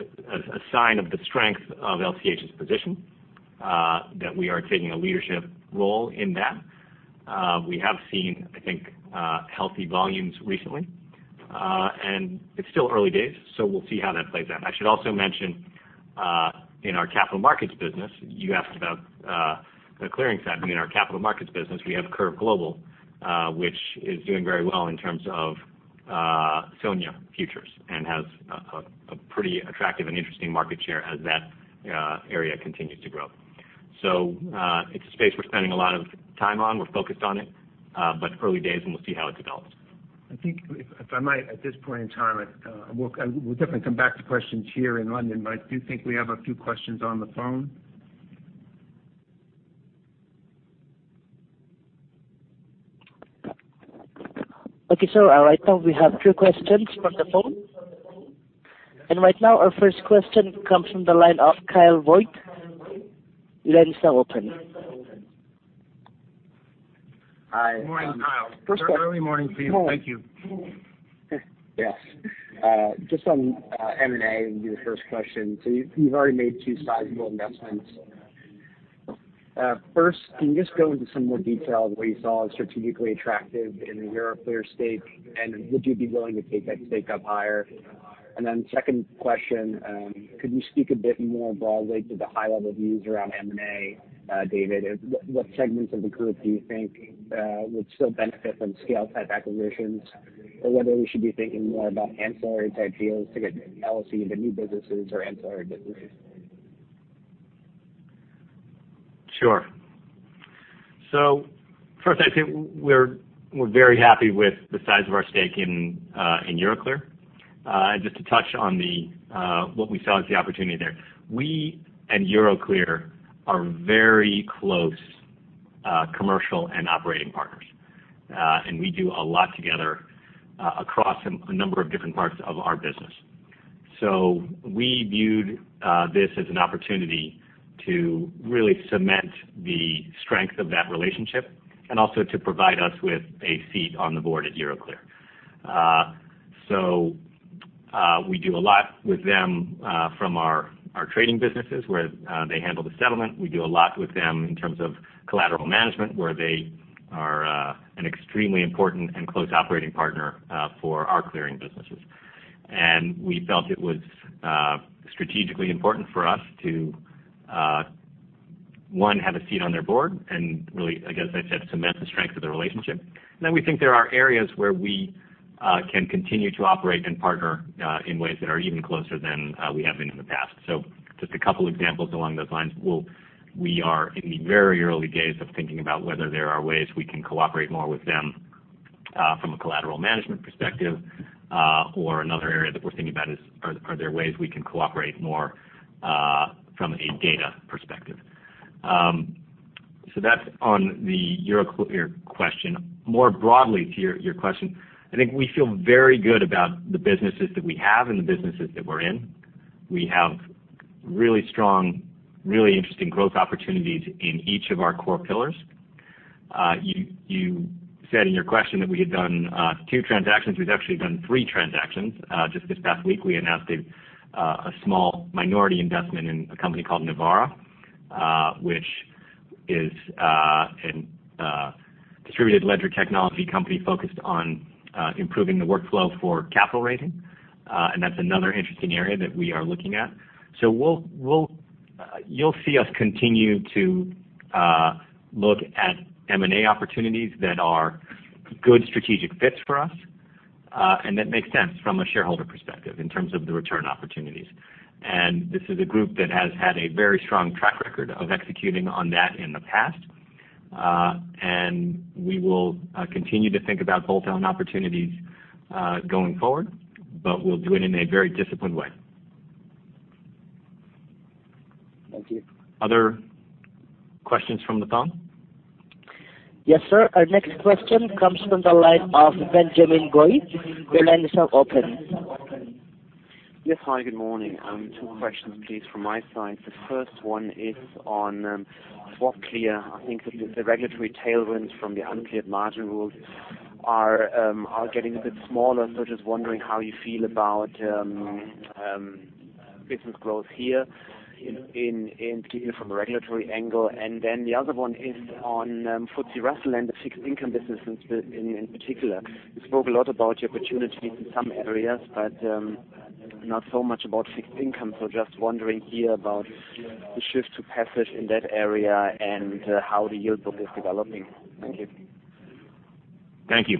a sign of the strength of LCH's position that we are taking a leadership role in that. We have seen, I think, healthy volumes recently. It's still early days, we'll see how that plays out. I should also mention, in our capital markets business, you asked about the clearing side, but in our capital markets business, we have CurveGlobal, which is doing very well in terms of SONIA futures and has a pretty attractive and interesting market share as that area continues to grow. It's a space we're spending a lot of time on. We're focused on it, but early days, we'll see how it develops. I think, if I might, at this point in time, we'll definitely come back to questions here in London, I do think we have a few questions on the phone. Right now we have two questions from the phone. Right now our first question comes from the line of Kyle Voigt. Your line is now open. Hi. Morning, Kyle. First question. Very early morning for you. Thank you. Morning. Yes. Just on M&A will be the first question. You've already made two sizable investments. First, can you just go into some more detail of what you saw as strategically attractive in the Euroclear stake, and would you be willing to take that stake up higher? Second question, could you speak a bit more broadly to the high-level views around M&A, David? What segments of the group do you think would still benefit from scale-type acquisitions? Or whether we should be thinking more about ancillary-type deals to get LSE into new businesses or ancillary businesses? First, I'd say we're very happy with the size of our stake in Euroclear. Just to touch on what we saw as the opportunity there. We and Euroclear are very close commercial and operating partners. We do a lot together, across a number of different parts of our business. We viewed this as an opportunity to really cement the strength of that relationship and also to provide us with a seat on the board at Euroclear. We do a lot with them, from our trading businesses where they handle the settlement. We do a lot with them in terms of collateral management, where they are an extremely important and close operating partner for our clearing businesses. We felt it was strategically important for us to, one, have a seat on their board and really, I guess, as I said, cement the strength of the relationship. We think there are areas where we can continue to operate and partner, in ways that are even closer than we have been in the past. Just a couple examples along those lines. We are in the very early days of thinking about whether there are ways we can cooperate more with them, from a collateral management perspective. Another area that we're thinking about is, are there ways we can cooperate more from a data perspective? That's on the Euroclear question. More broadly to your question, I think we feel very good about the businesses that we have and the businesses that we're in. We have really strong, really interesting growth opportunities in each of our core pillars. You said in your question that we had done two transactions. We've actually done three transactions. Just this past week, we announced a small minority investment in a company called Nivaura, which is a distributed ledger technology company focused on improving the workflow for capital raising. That's another interesting area that we are looking at. You'll see us continue to look at M&A opportunities that are good strategic fits for us, and that make sense from a shareholder perspective in terms of the return opportunities. This is a group that has had a very strong track record of executing on that in the past. We will continue to think about bolt-on opportunities going forward, but we'll do it in a very disciplined way. Thank you. Other questions from the phone? Yes, sir. Our next question comes from the line of Benjamin Goy. Your line is now open. Yes. Hi, good morning. Two questions, please, from my side. The first one is on SwapClear. I think the regulatory tailwinds from the Uncleared Margin Rules are getting a bit smaller. Just wondering how you feel about business growth here in particular from a regulatory angle. The other one is on FTSE Russell and the fixed income businesses in particular. You spoke a lot about your opportunities in some areas, but not so much about fixed income. Just wondering here about the shift to passive in that area and how The Yield Book is developing. Thank you. Thank you.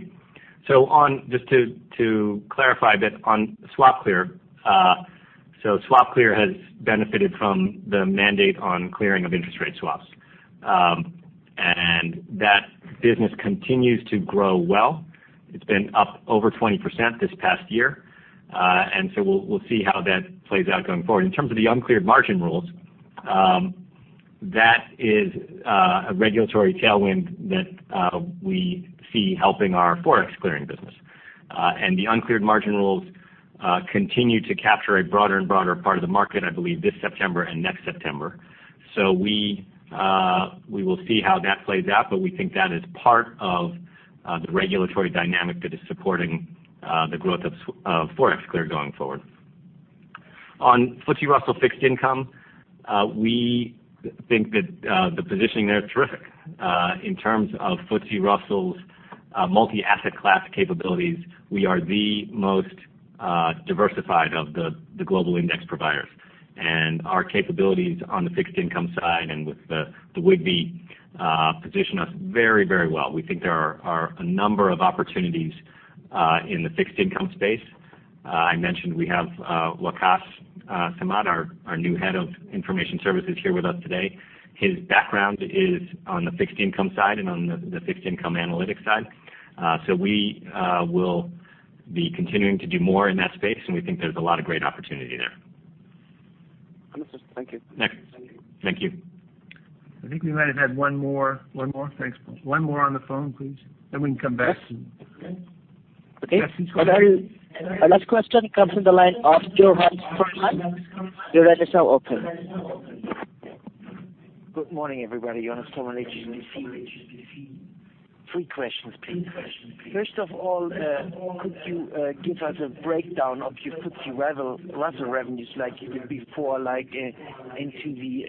Just to clarify a bit on SwapClear. SwapClear has benefited from the mandate on clearing of interest rate swaps. That business continues to grow well. It's been up over 20% this past year. We'll see how that plays out going forward. In terms of the Uncleared Margin Rules, that is a regulatory tailwind that we see helping our ForexClear business. The Uncleared Margin Rules continue to capture a broader and broader part of the market, I believe, this September and next September. We will see how that plays out, but we think that is part of the regulatory dynamic that is supporting the growth of ForexClear going forward. On FTSE Russell fixed income, we think that the positioning there is terrific. In terms of FTSE Russell's multi-asset class capabilities, we are the most diversified of the global index providers. Our capabilities on the fixed income side and with the WGBI position us very well. We think there are a number of opportunities in the fixed income space. I mentioned we have Waqas Samad, our new head of information services, here with us today. His background is on the fixed income side and on the fixed income analytics side. We will be continuing to do more in that space, and we think there's a lot of great opportunity there. Thank you. Next. Thank you. I think we might have had one more. One more? Thanks. One more on the phone, please, then we can come back. Yes. Okay. Justin, go ahead. Our last question comes from the line of Johannes Feldmann. Your line is now open. Good morning, everybody. Johannes Feldmann, HGBF. Three questions, please. First of all, could you give us a breakdown of your FTSE Russell revenues like you did before, like into the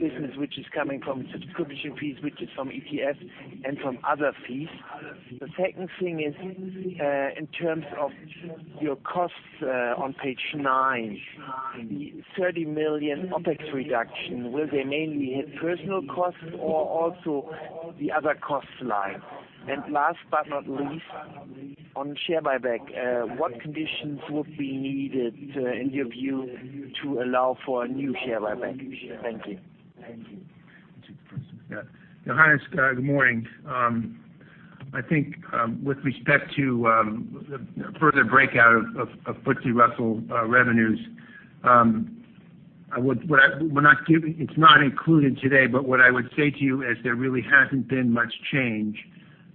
business which is coming from subscription fees, which is from ETF and from other fees? The second thing is, in terms of your costs on page nine, the 30 million OpEx reduction, will they mainly hit personal costs or also the other cost line? Last but not least, on share buyback, what conditions would be needed, in your view, to allow for a new share buyback? Thank you. Johannes, good morning. I think with respect to the further breakout of FTSE Russell revenues, it's not included today, but what I would say to you is there really hasn't been much change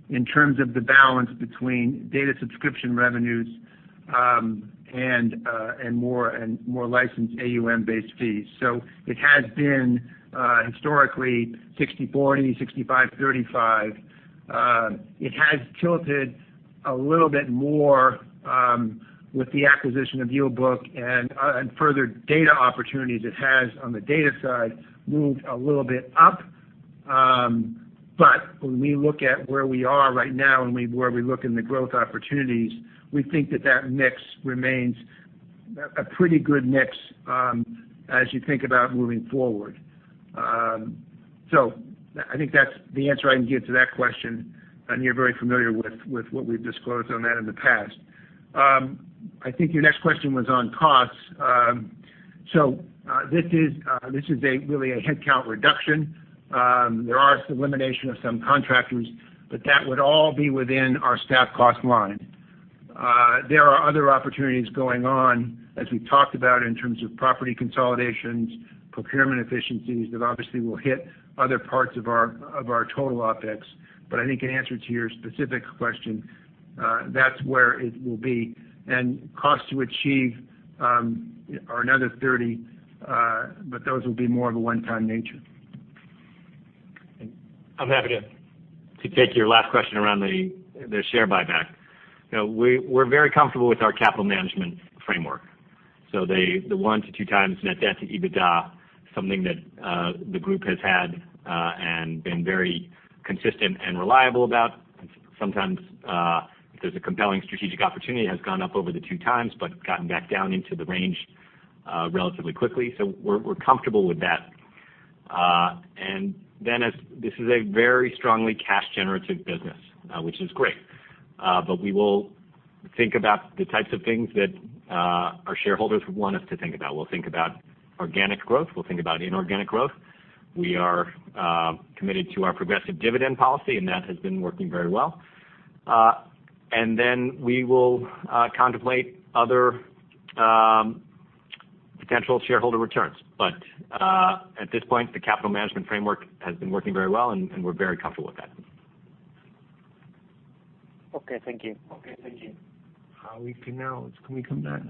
in terms of the balance between data subscription revenues and more licensed AUM-based fees. It has been historically 60-40, 65-35. It has tilted a little bit more with the acquisition of The Yield Book and further data opportunities it has on the data side moved a little bit up. When we look at where we are right now and where we look in the growth opportunities, we think that that mix remains a pretty good mix as you think about moving forward. I think that's the answer I can give to that question, and you're very familiar with what we've disclosed on that in the past. I think your next question was on costs. This is really a headcount reduction. There are some elimination of some contractors, that would all be within our staff cost line. There are other opportunities going on, as we've talked about, in terms of property consolidations, procurement efficiencies that obviously will hit other parts of our total OpEx. I think in answer to your specific question, that's where it will be. Costs to achieve are another 30 million, those will be more of a one-time nature. I'm happy to take your last question around the share buyback. We're very comfortable with our capital management framework. The one to two times net debt to EBITDA, something that the group has had and been very consistent and reliable about. Sometimes, if there's a compelling strategic opportunity, has gone up over the two times but gotten back down into the range relatively quickly. We're comfortable with that. As this is a very strongly cash-generative business, which is great. We will think about the types of things that our shareholders would want us to think about. We'll think about organic growth. We'll think about inorganic growth. We are committed to our progressive dividend policy, and that has been working very well. We will contemplate other potential shareholder returns. At this point, the capital management framework has been working very well, and we're very comfortable with that. Okay. Thank you. Can we come back?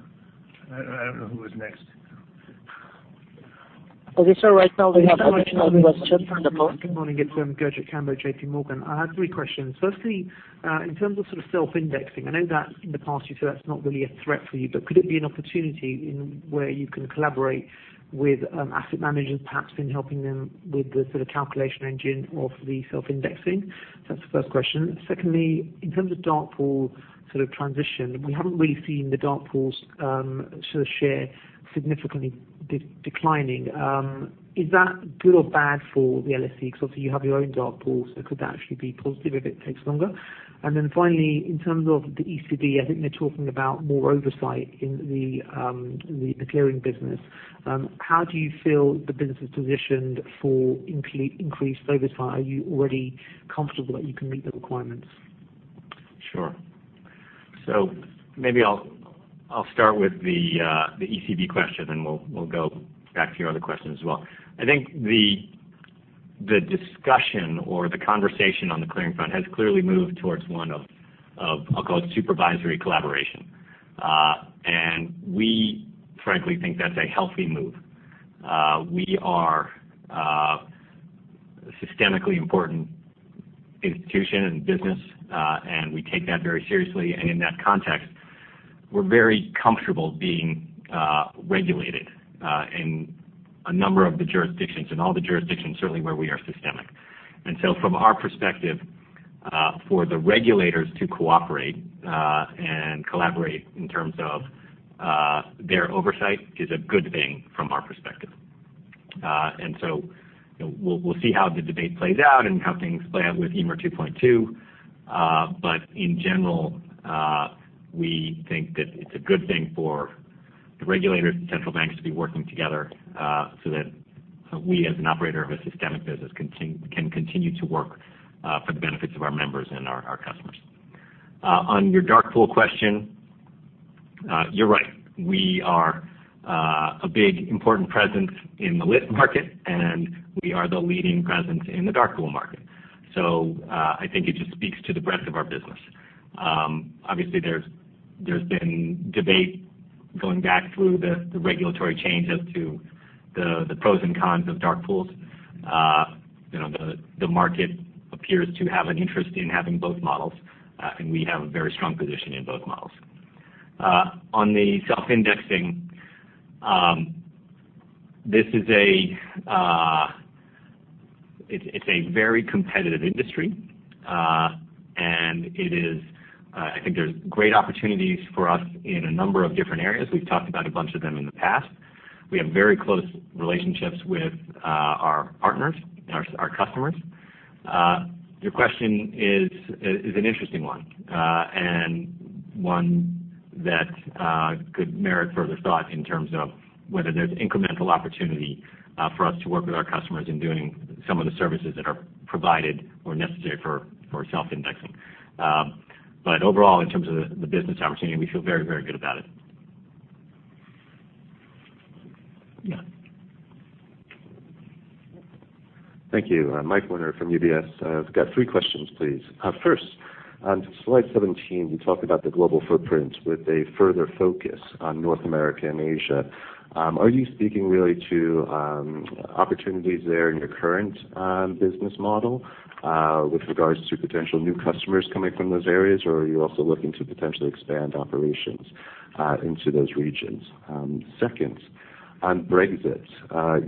I don't know who was next. Okay, sir. Right now we have additional questions on the phone. Good morning. It's Gurjit Kambo, J.P. Morgan. I had three questions. Firstly, in terms of self-indexing, I know that in the past you said that's not really a threat for you, but could it be an opportunity where you can collaborate with asset managers, perhaps in helping them with the calculation engine of the self-indexing. That's the first question. Secondly, in terms of dark pool sort of transition, we haven't really seen the dark pools share significantly declining. Is that good or bad for the LSE? Obviously you have your own dark pool, could that actually be positive if it takes longer? Finally, in terms of the ECB, I think they're talking about more oversight in the clearing business. How do you feel the business is positioned for increased oversight? Are you already comfortable that you can meet the requirements? Sure. Maybe I'll start with the ECB question, we'll go back to your other question as well. I think the discussion or the conversation on the clearing front has clearly moved towards one of, I'll call it supervisory collaboration. We frankly think that's a healthy move. We are a systemically important institution and business, we take that very seriously. In that context, we're very comfortable being regulated in a number of the jurisdictions, in all the jurisdictions, certainly where we are systemic. From our perspective, for the regulators to cooperate, and collaborate in terms of their oversight is a good thing from our perspective. We'll see how the debate plays out and how things play out with EMIR 2.2. In general, we think that it's a good thing for the regulators and central banks to be working together, so that we, as an operator of a systemic business, can continue to work for the benefits of our members and our customers. On your dark pool question, you're right, we are a big important presence in the lit market, we are the leading presence in the dark pool market. I think it just speaks to the breadth of our business. Obviously, there's been debate going back through the regulatory change as to the pros and cons of dark pools. The market appears to have an interest in having both models, we have a very strong position in both models. On the self-indexing, it's a very competitive industry, I think there's great opportunities for us in a number of different areas. We've talked about a bunch of them in the past. We have very close relationships with our partners and our customers. Your question is an interesting one that could merit further thought in terms of whether there's incremental opportunity for us to work with our customers in doing some of the services that are provided or necessary for self-indexing. Overall, in terms of the business opportunity, we feel very, very good about it. Yeah. Thank you. Mike Werner from UBS. I've got three questions, please. First, on slide 17, we talk about the global footprint with a further focus on North America and Asia. Are you speaking really to opportunities there in your current business model, with regards to potential new customers coming from those areas? Or are you also looking to potentially expand operations into those regions? Second, on Brexit,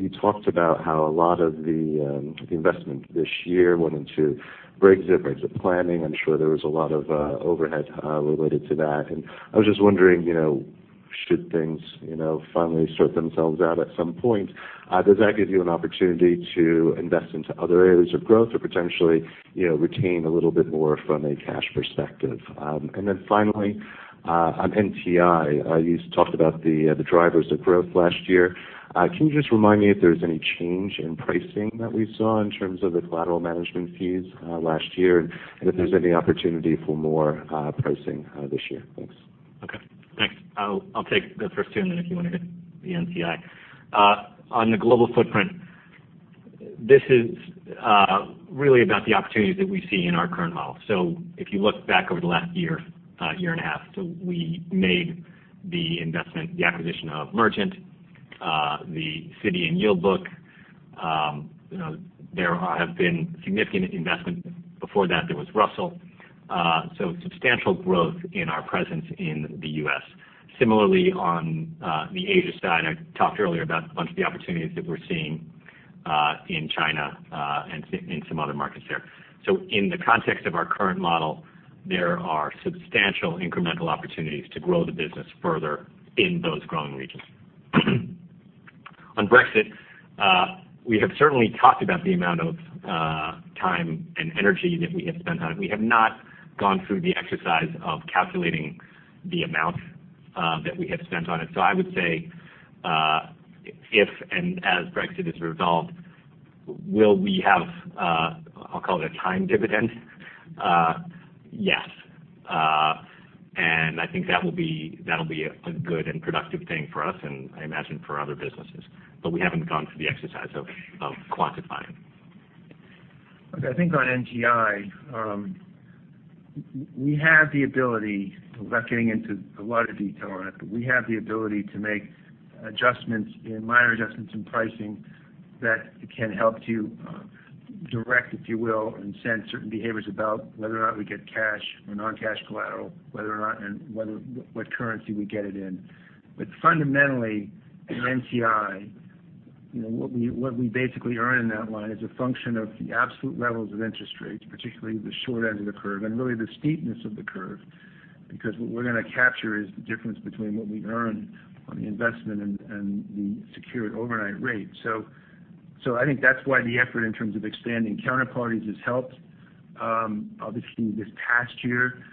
you talked about how a lot of the investment this year went into Brexit planning. I'm sure there was a lot of overhead related to that. I was just wondering, should things finally sort themselves out at some point, does that give you an opportunity to invest into other areas of growth or potentially retain a little bit more from a cash perspective? Finally, on NTI, you talked about the drivers of growth last year. Can you just remind me if there's any change in pricing that we saw in terms of the collateral management fees last year, and if there's any opportunity for more pricing this year? Thanks. Okay, thanks. I'll take the first two, and then if you want to hit the NTI. On the global footprint, this is really about the opportunities that we see in our current model. If you look back over the last year and a half, we made the investment, the acquisition of Mergent, the Citi and The Yield Book. There have been significant investment. Before that, there was Russell. Substantial growth in our presence in the U.S. Similarly on the Asia side, I talked earlier about a bunch of the opportunities that we're seeing in China, and in some other markets there. In the context of our current model, there are substantial incremental opportunities to grow the business further in those growing regions. On Brexit, we have certainly talked about the amount of time and energy that we have spent on it. We have not gone through the exercise of calculating the amount that we have spent on it. I would say, if and as Brexit is resolved, will we have, I'll call it a time dividend? Yes. I think that'll be a good and productive thing for us, and I imagine for other businesses. We haven't gone through the exercise of quantifying. I think on NTI, we have the ability, without getting into a lot of detail on it, we have the ability to make minor adjustments in pricing that can help to direct, if you will, and send certain behaviors about whether or not we get cash or non-cash collateral, whether or not and what currency we get it in. Fundamentally, in NTI, what we basically earn in that line is a function of the absolute levels of interest rates, particularly the short end of the curve and really the steepness of the curve, because what we're going to capture is the difference between what we earn on the investment and the secured overnight rate. I think that's why the effort in terms of expanding counterparties has helped. Obviously, this past year,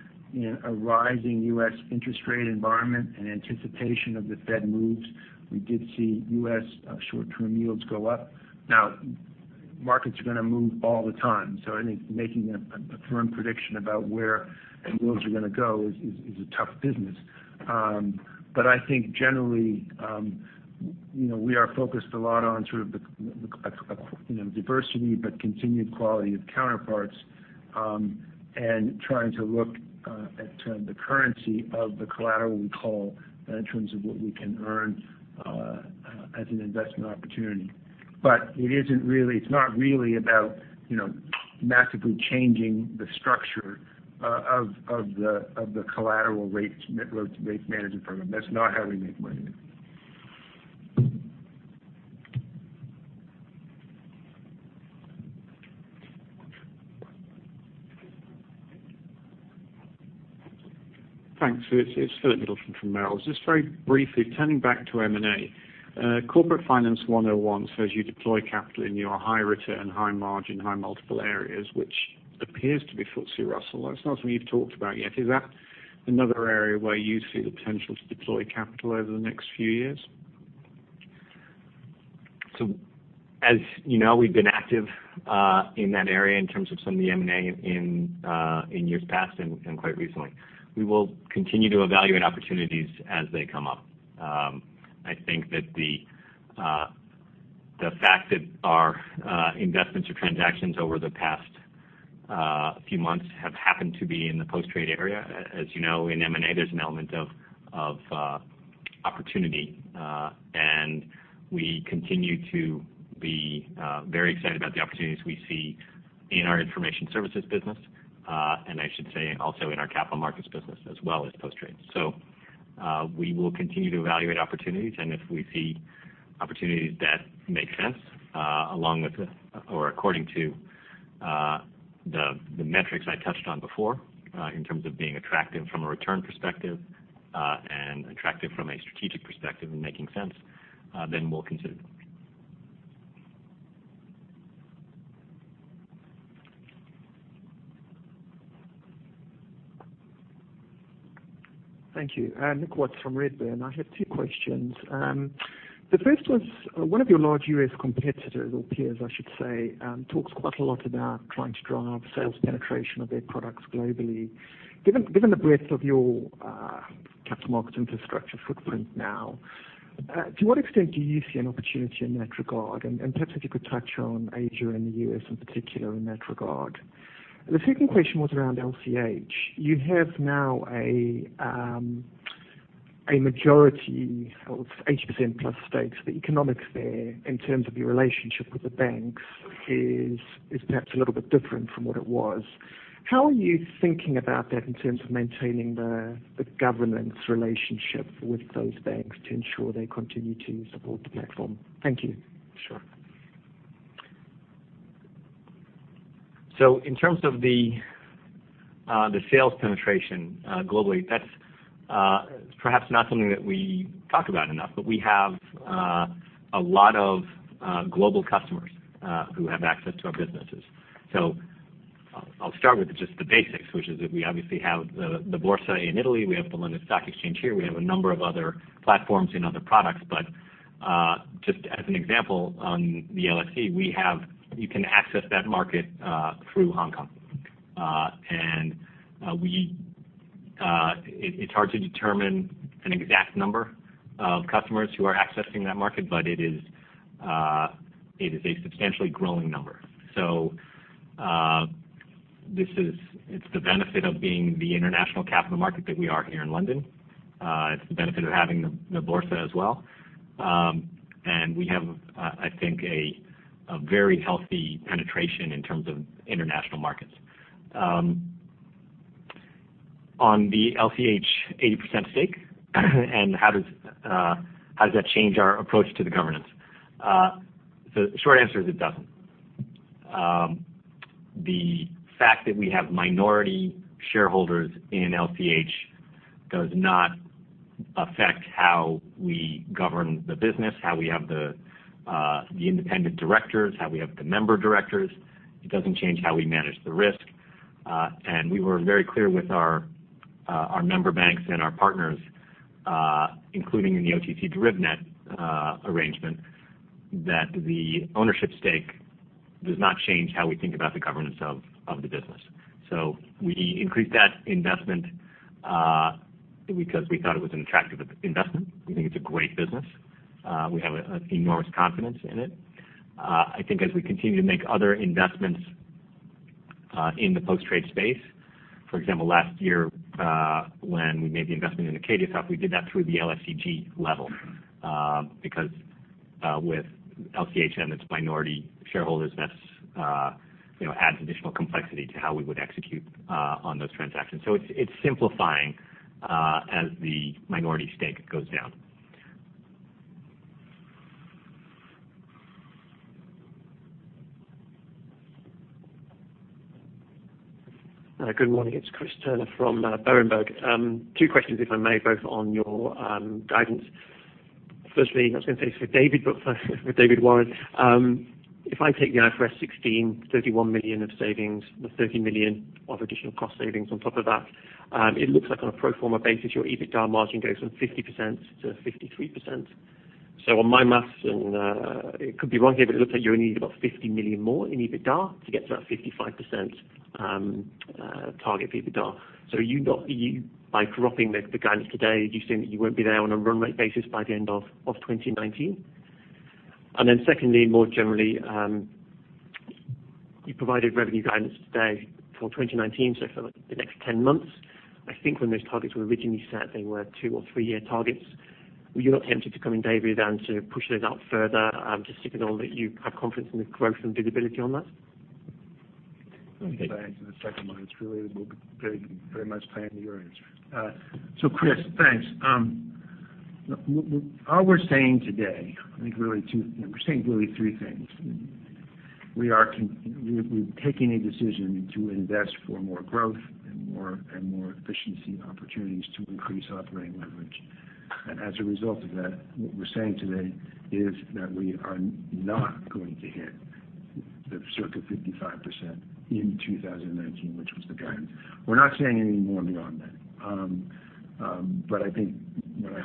a rising U.S. interest rate environment and anticipation of the Fed moves, we did see U.S. short-term yields go up. Markets are going to move all the time, I think making a firm prediction about where yields are going to go is a tough business. I think generally, we are focused a lot on the diversity but continued quality of counterparts, and trying to look at the currency of the collateral we call in terms of what we can earn as an investment opportunity. It's not really about massively changing the structure of the collateral rate management program. That's not how we make money. Thanks. It's Philip Middleton from Merrill's. Just very briefly, turning back to M&A. Corporate finance 101 says you deploy capital in your high return, high margin, high multiple areas, which appears to be FTSE Russell. That's not something you've talked about yet. Is that another area where you see the potential to deploy capital over the next few years? As you know, we've been active in that area in terms of some of the M&A in years past and quite recently. We will continue to evaluate opportunities as they come up. I think that the fact that our investments or transactions over the past few months have happened to be in the post-trade area, as you know, in M&A, there's an element of opportunity. We continue to be very excited about the opportunities we see in our information services business, and I should say also in our capital markets business as well as post-trade. We will continue to evaluate opportunities, and if we see opportunities that make sense according to the metrics I touched on before, in terms of being attractive from a return perspective, and attractive from a strategic perspective and making sense, then we'll consider them. Thank you. Nick Watts from Redburn. I have two questions. The first was, one of your large U.S. competitors or peers, I should say, talks quite a lot about trying to drive sales penetration of their products globally. Given the breadth of your capital market infrastructure footprint now, to what extent do you see an opportunity in that regard? Perhaps if you could touch on Asia and the U.S. in particular in that regard. The second question was around LCH. You have now a majority of 80%-plus stakes. The economics there in terms of your relationship with the banks is perhaps a little bit different from what it was. How are you thinking about that in terms of maintaining the governance relationship with those banks to ensure they continue to support the platform? Thank you. Sure. In terms of the sales penetration globally, that's perhaps not something that we talk about enough, but we have a lot of global customers who have access to our businesses. I'll start with just the basics, which is that we obviously have the Borsa in Italy, we have the London Stock Exchange here, we have a number of other platforms and other products, but just as an example, on the LSE, you can access that market through Hong Kong. It's hard to determine an exact number of customers who are accessing that market, but it is a substantially growing number. It's the benefit of being the international capital market that we are here in London. It's the benefit of having the Borsa as well. We have, I think, a very healthy penetration in terms of international markets. On the LCH 80% stake, how does that change our approach to the governance? The short answer is it doesn't. The fact that we have minority shareholders in LCH does not affect how we govern the business, how we have the independent directors, how we have the member directors. It doesn't change how we manage the risk. We were very clear with our member banks and our partners, including in the OTC derivative net arrangement, that the ownership stake does not change how we think about the governance of the business. We increased that investment because we thought it was an attractive investment. We think it's a great business. We have enormous confidence in it. I think as we continue to make other investments in the post-trade space. For example, last year when we made the investment in AcadiaSoft, we did that through the LSEG level, because with LCH, it's minority shareholders, and that adds additional complexity to how we would execute on those transactions. It's simplifying as the minority stake goes down. Good morning. It's Chris Turner from Berenberg. Two questions, if I may, both on your guidance. Firstly, I was going to say this for David, but first for David Warren. If I take the IFRS 16, 31 million of savings with 30 million of additional cost savings on top of that, it looks like on a pro forma basis, your EBITDA margin goes from 50% to 53%. On my maths, and it could be wrong here, but it looks like you only need about 50 million more in EBITDA to get to that 55% target for EBITDA. By dropping the guidance today, are you saying that you won't be there on a run-rate basis by the end of 2019? Secondly, more generally, you provided revenue guidance today for 2019, for the next 10 months. I think when those targets were originally set, they were two or three-year targets. Were you not tempted to come in, David, and to push those out further, just sticking on that you have confidence in the growth and visibility on that? I'll answer the second one. It's really very much tied into your answer. Chris, thanks. All we're saying today, we're saying really three things. We're taking a decision to invest for more growth and more efficiency opportunities to increase operating leverage. As a result of that, what we're saying today is that we are not going to hit the circa 55% in 2019, which was the guidance. We're not saying any more beyond that. I think when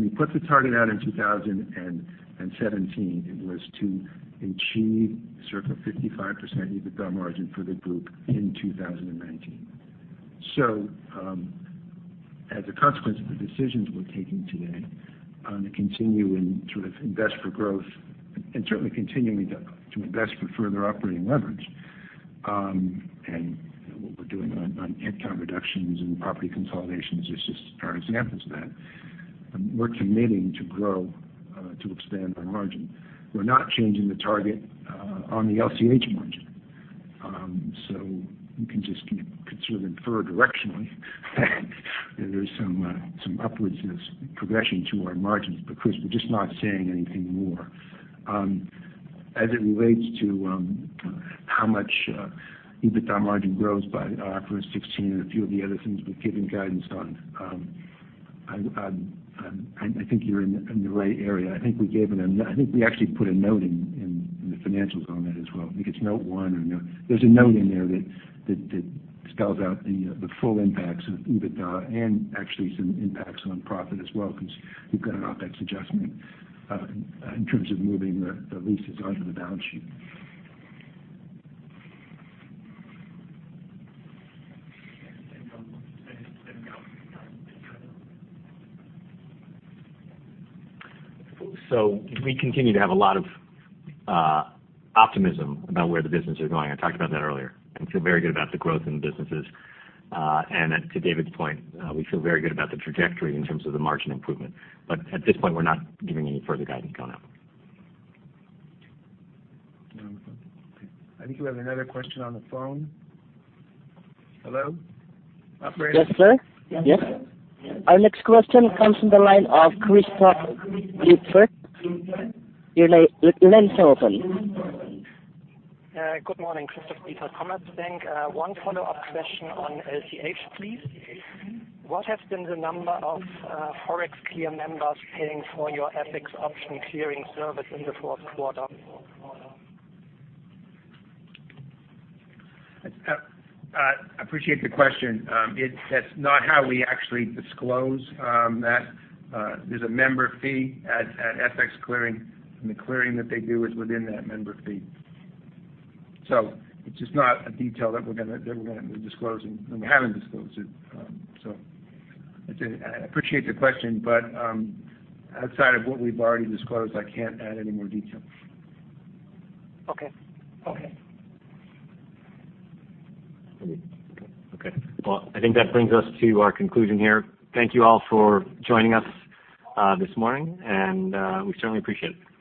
we put the target out in 2017, it was to achieve circa 55% EBITDA margin for the group in 2019. As a consequence of the decisions we're taking today on continuing to invest for growth and certainly continuing to invest for further operating leverage, and what we're doing on headcount reductions and property consolidations are examples of that. We're committing to grow, to expand our margin. We're not changing the target on the LCH margin. You can just sort of infer directionally that there's some upwards progression to our margins. Chris, we're just not saying anything more. As it relates to how much EBITDA margin grows by IFRS 16 and a few of the other things we've given guidance on, I think you're in the right area. I think we actually put a note in the financials on that as well. I think it's note one or there's a note in there that spells out the full impacts of EBITDA and actually some impacts on profit as well, because we've got an OpEx adjustment in terms of moving the leases onto the balance sheet. We continue to have a lot of optimism about where the businesses are going. I talked about that earlier, and feel very good about the growth in the businesses. To David's point, we feel very good about the trajectory in terms of the margin improvement. At this point, we're not giving any further guidance on that. Okay. I think we have another question on the phone. Hello? Operator? Yes, sir. Yes. Our next question comes from the line of Christoph Guttfreund. Your line's open. Good morning, Christoph Guttfreund, Commerzbank. One follow-up question on LCH, please. What has been the number of ForexClear members paying for your FX option clearing service in the fourth quarter? I appreciate the question. That's not how we actually disclose that. There's a member fee at FX Clearing, and the clearing that they do is within that member fee. It's just not a detail that we're going to be disclosing, and we haven't disclosed it. I appreciate the question, but outside of what we've already disclosed, I can't add any more detail. Okay. Okay. Okay. Well, I think that brings us to our conclusion here. Thank you all for joining us this morning. We certainly appreciate it.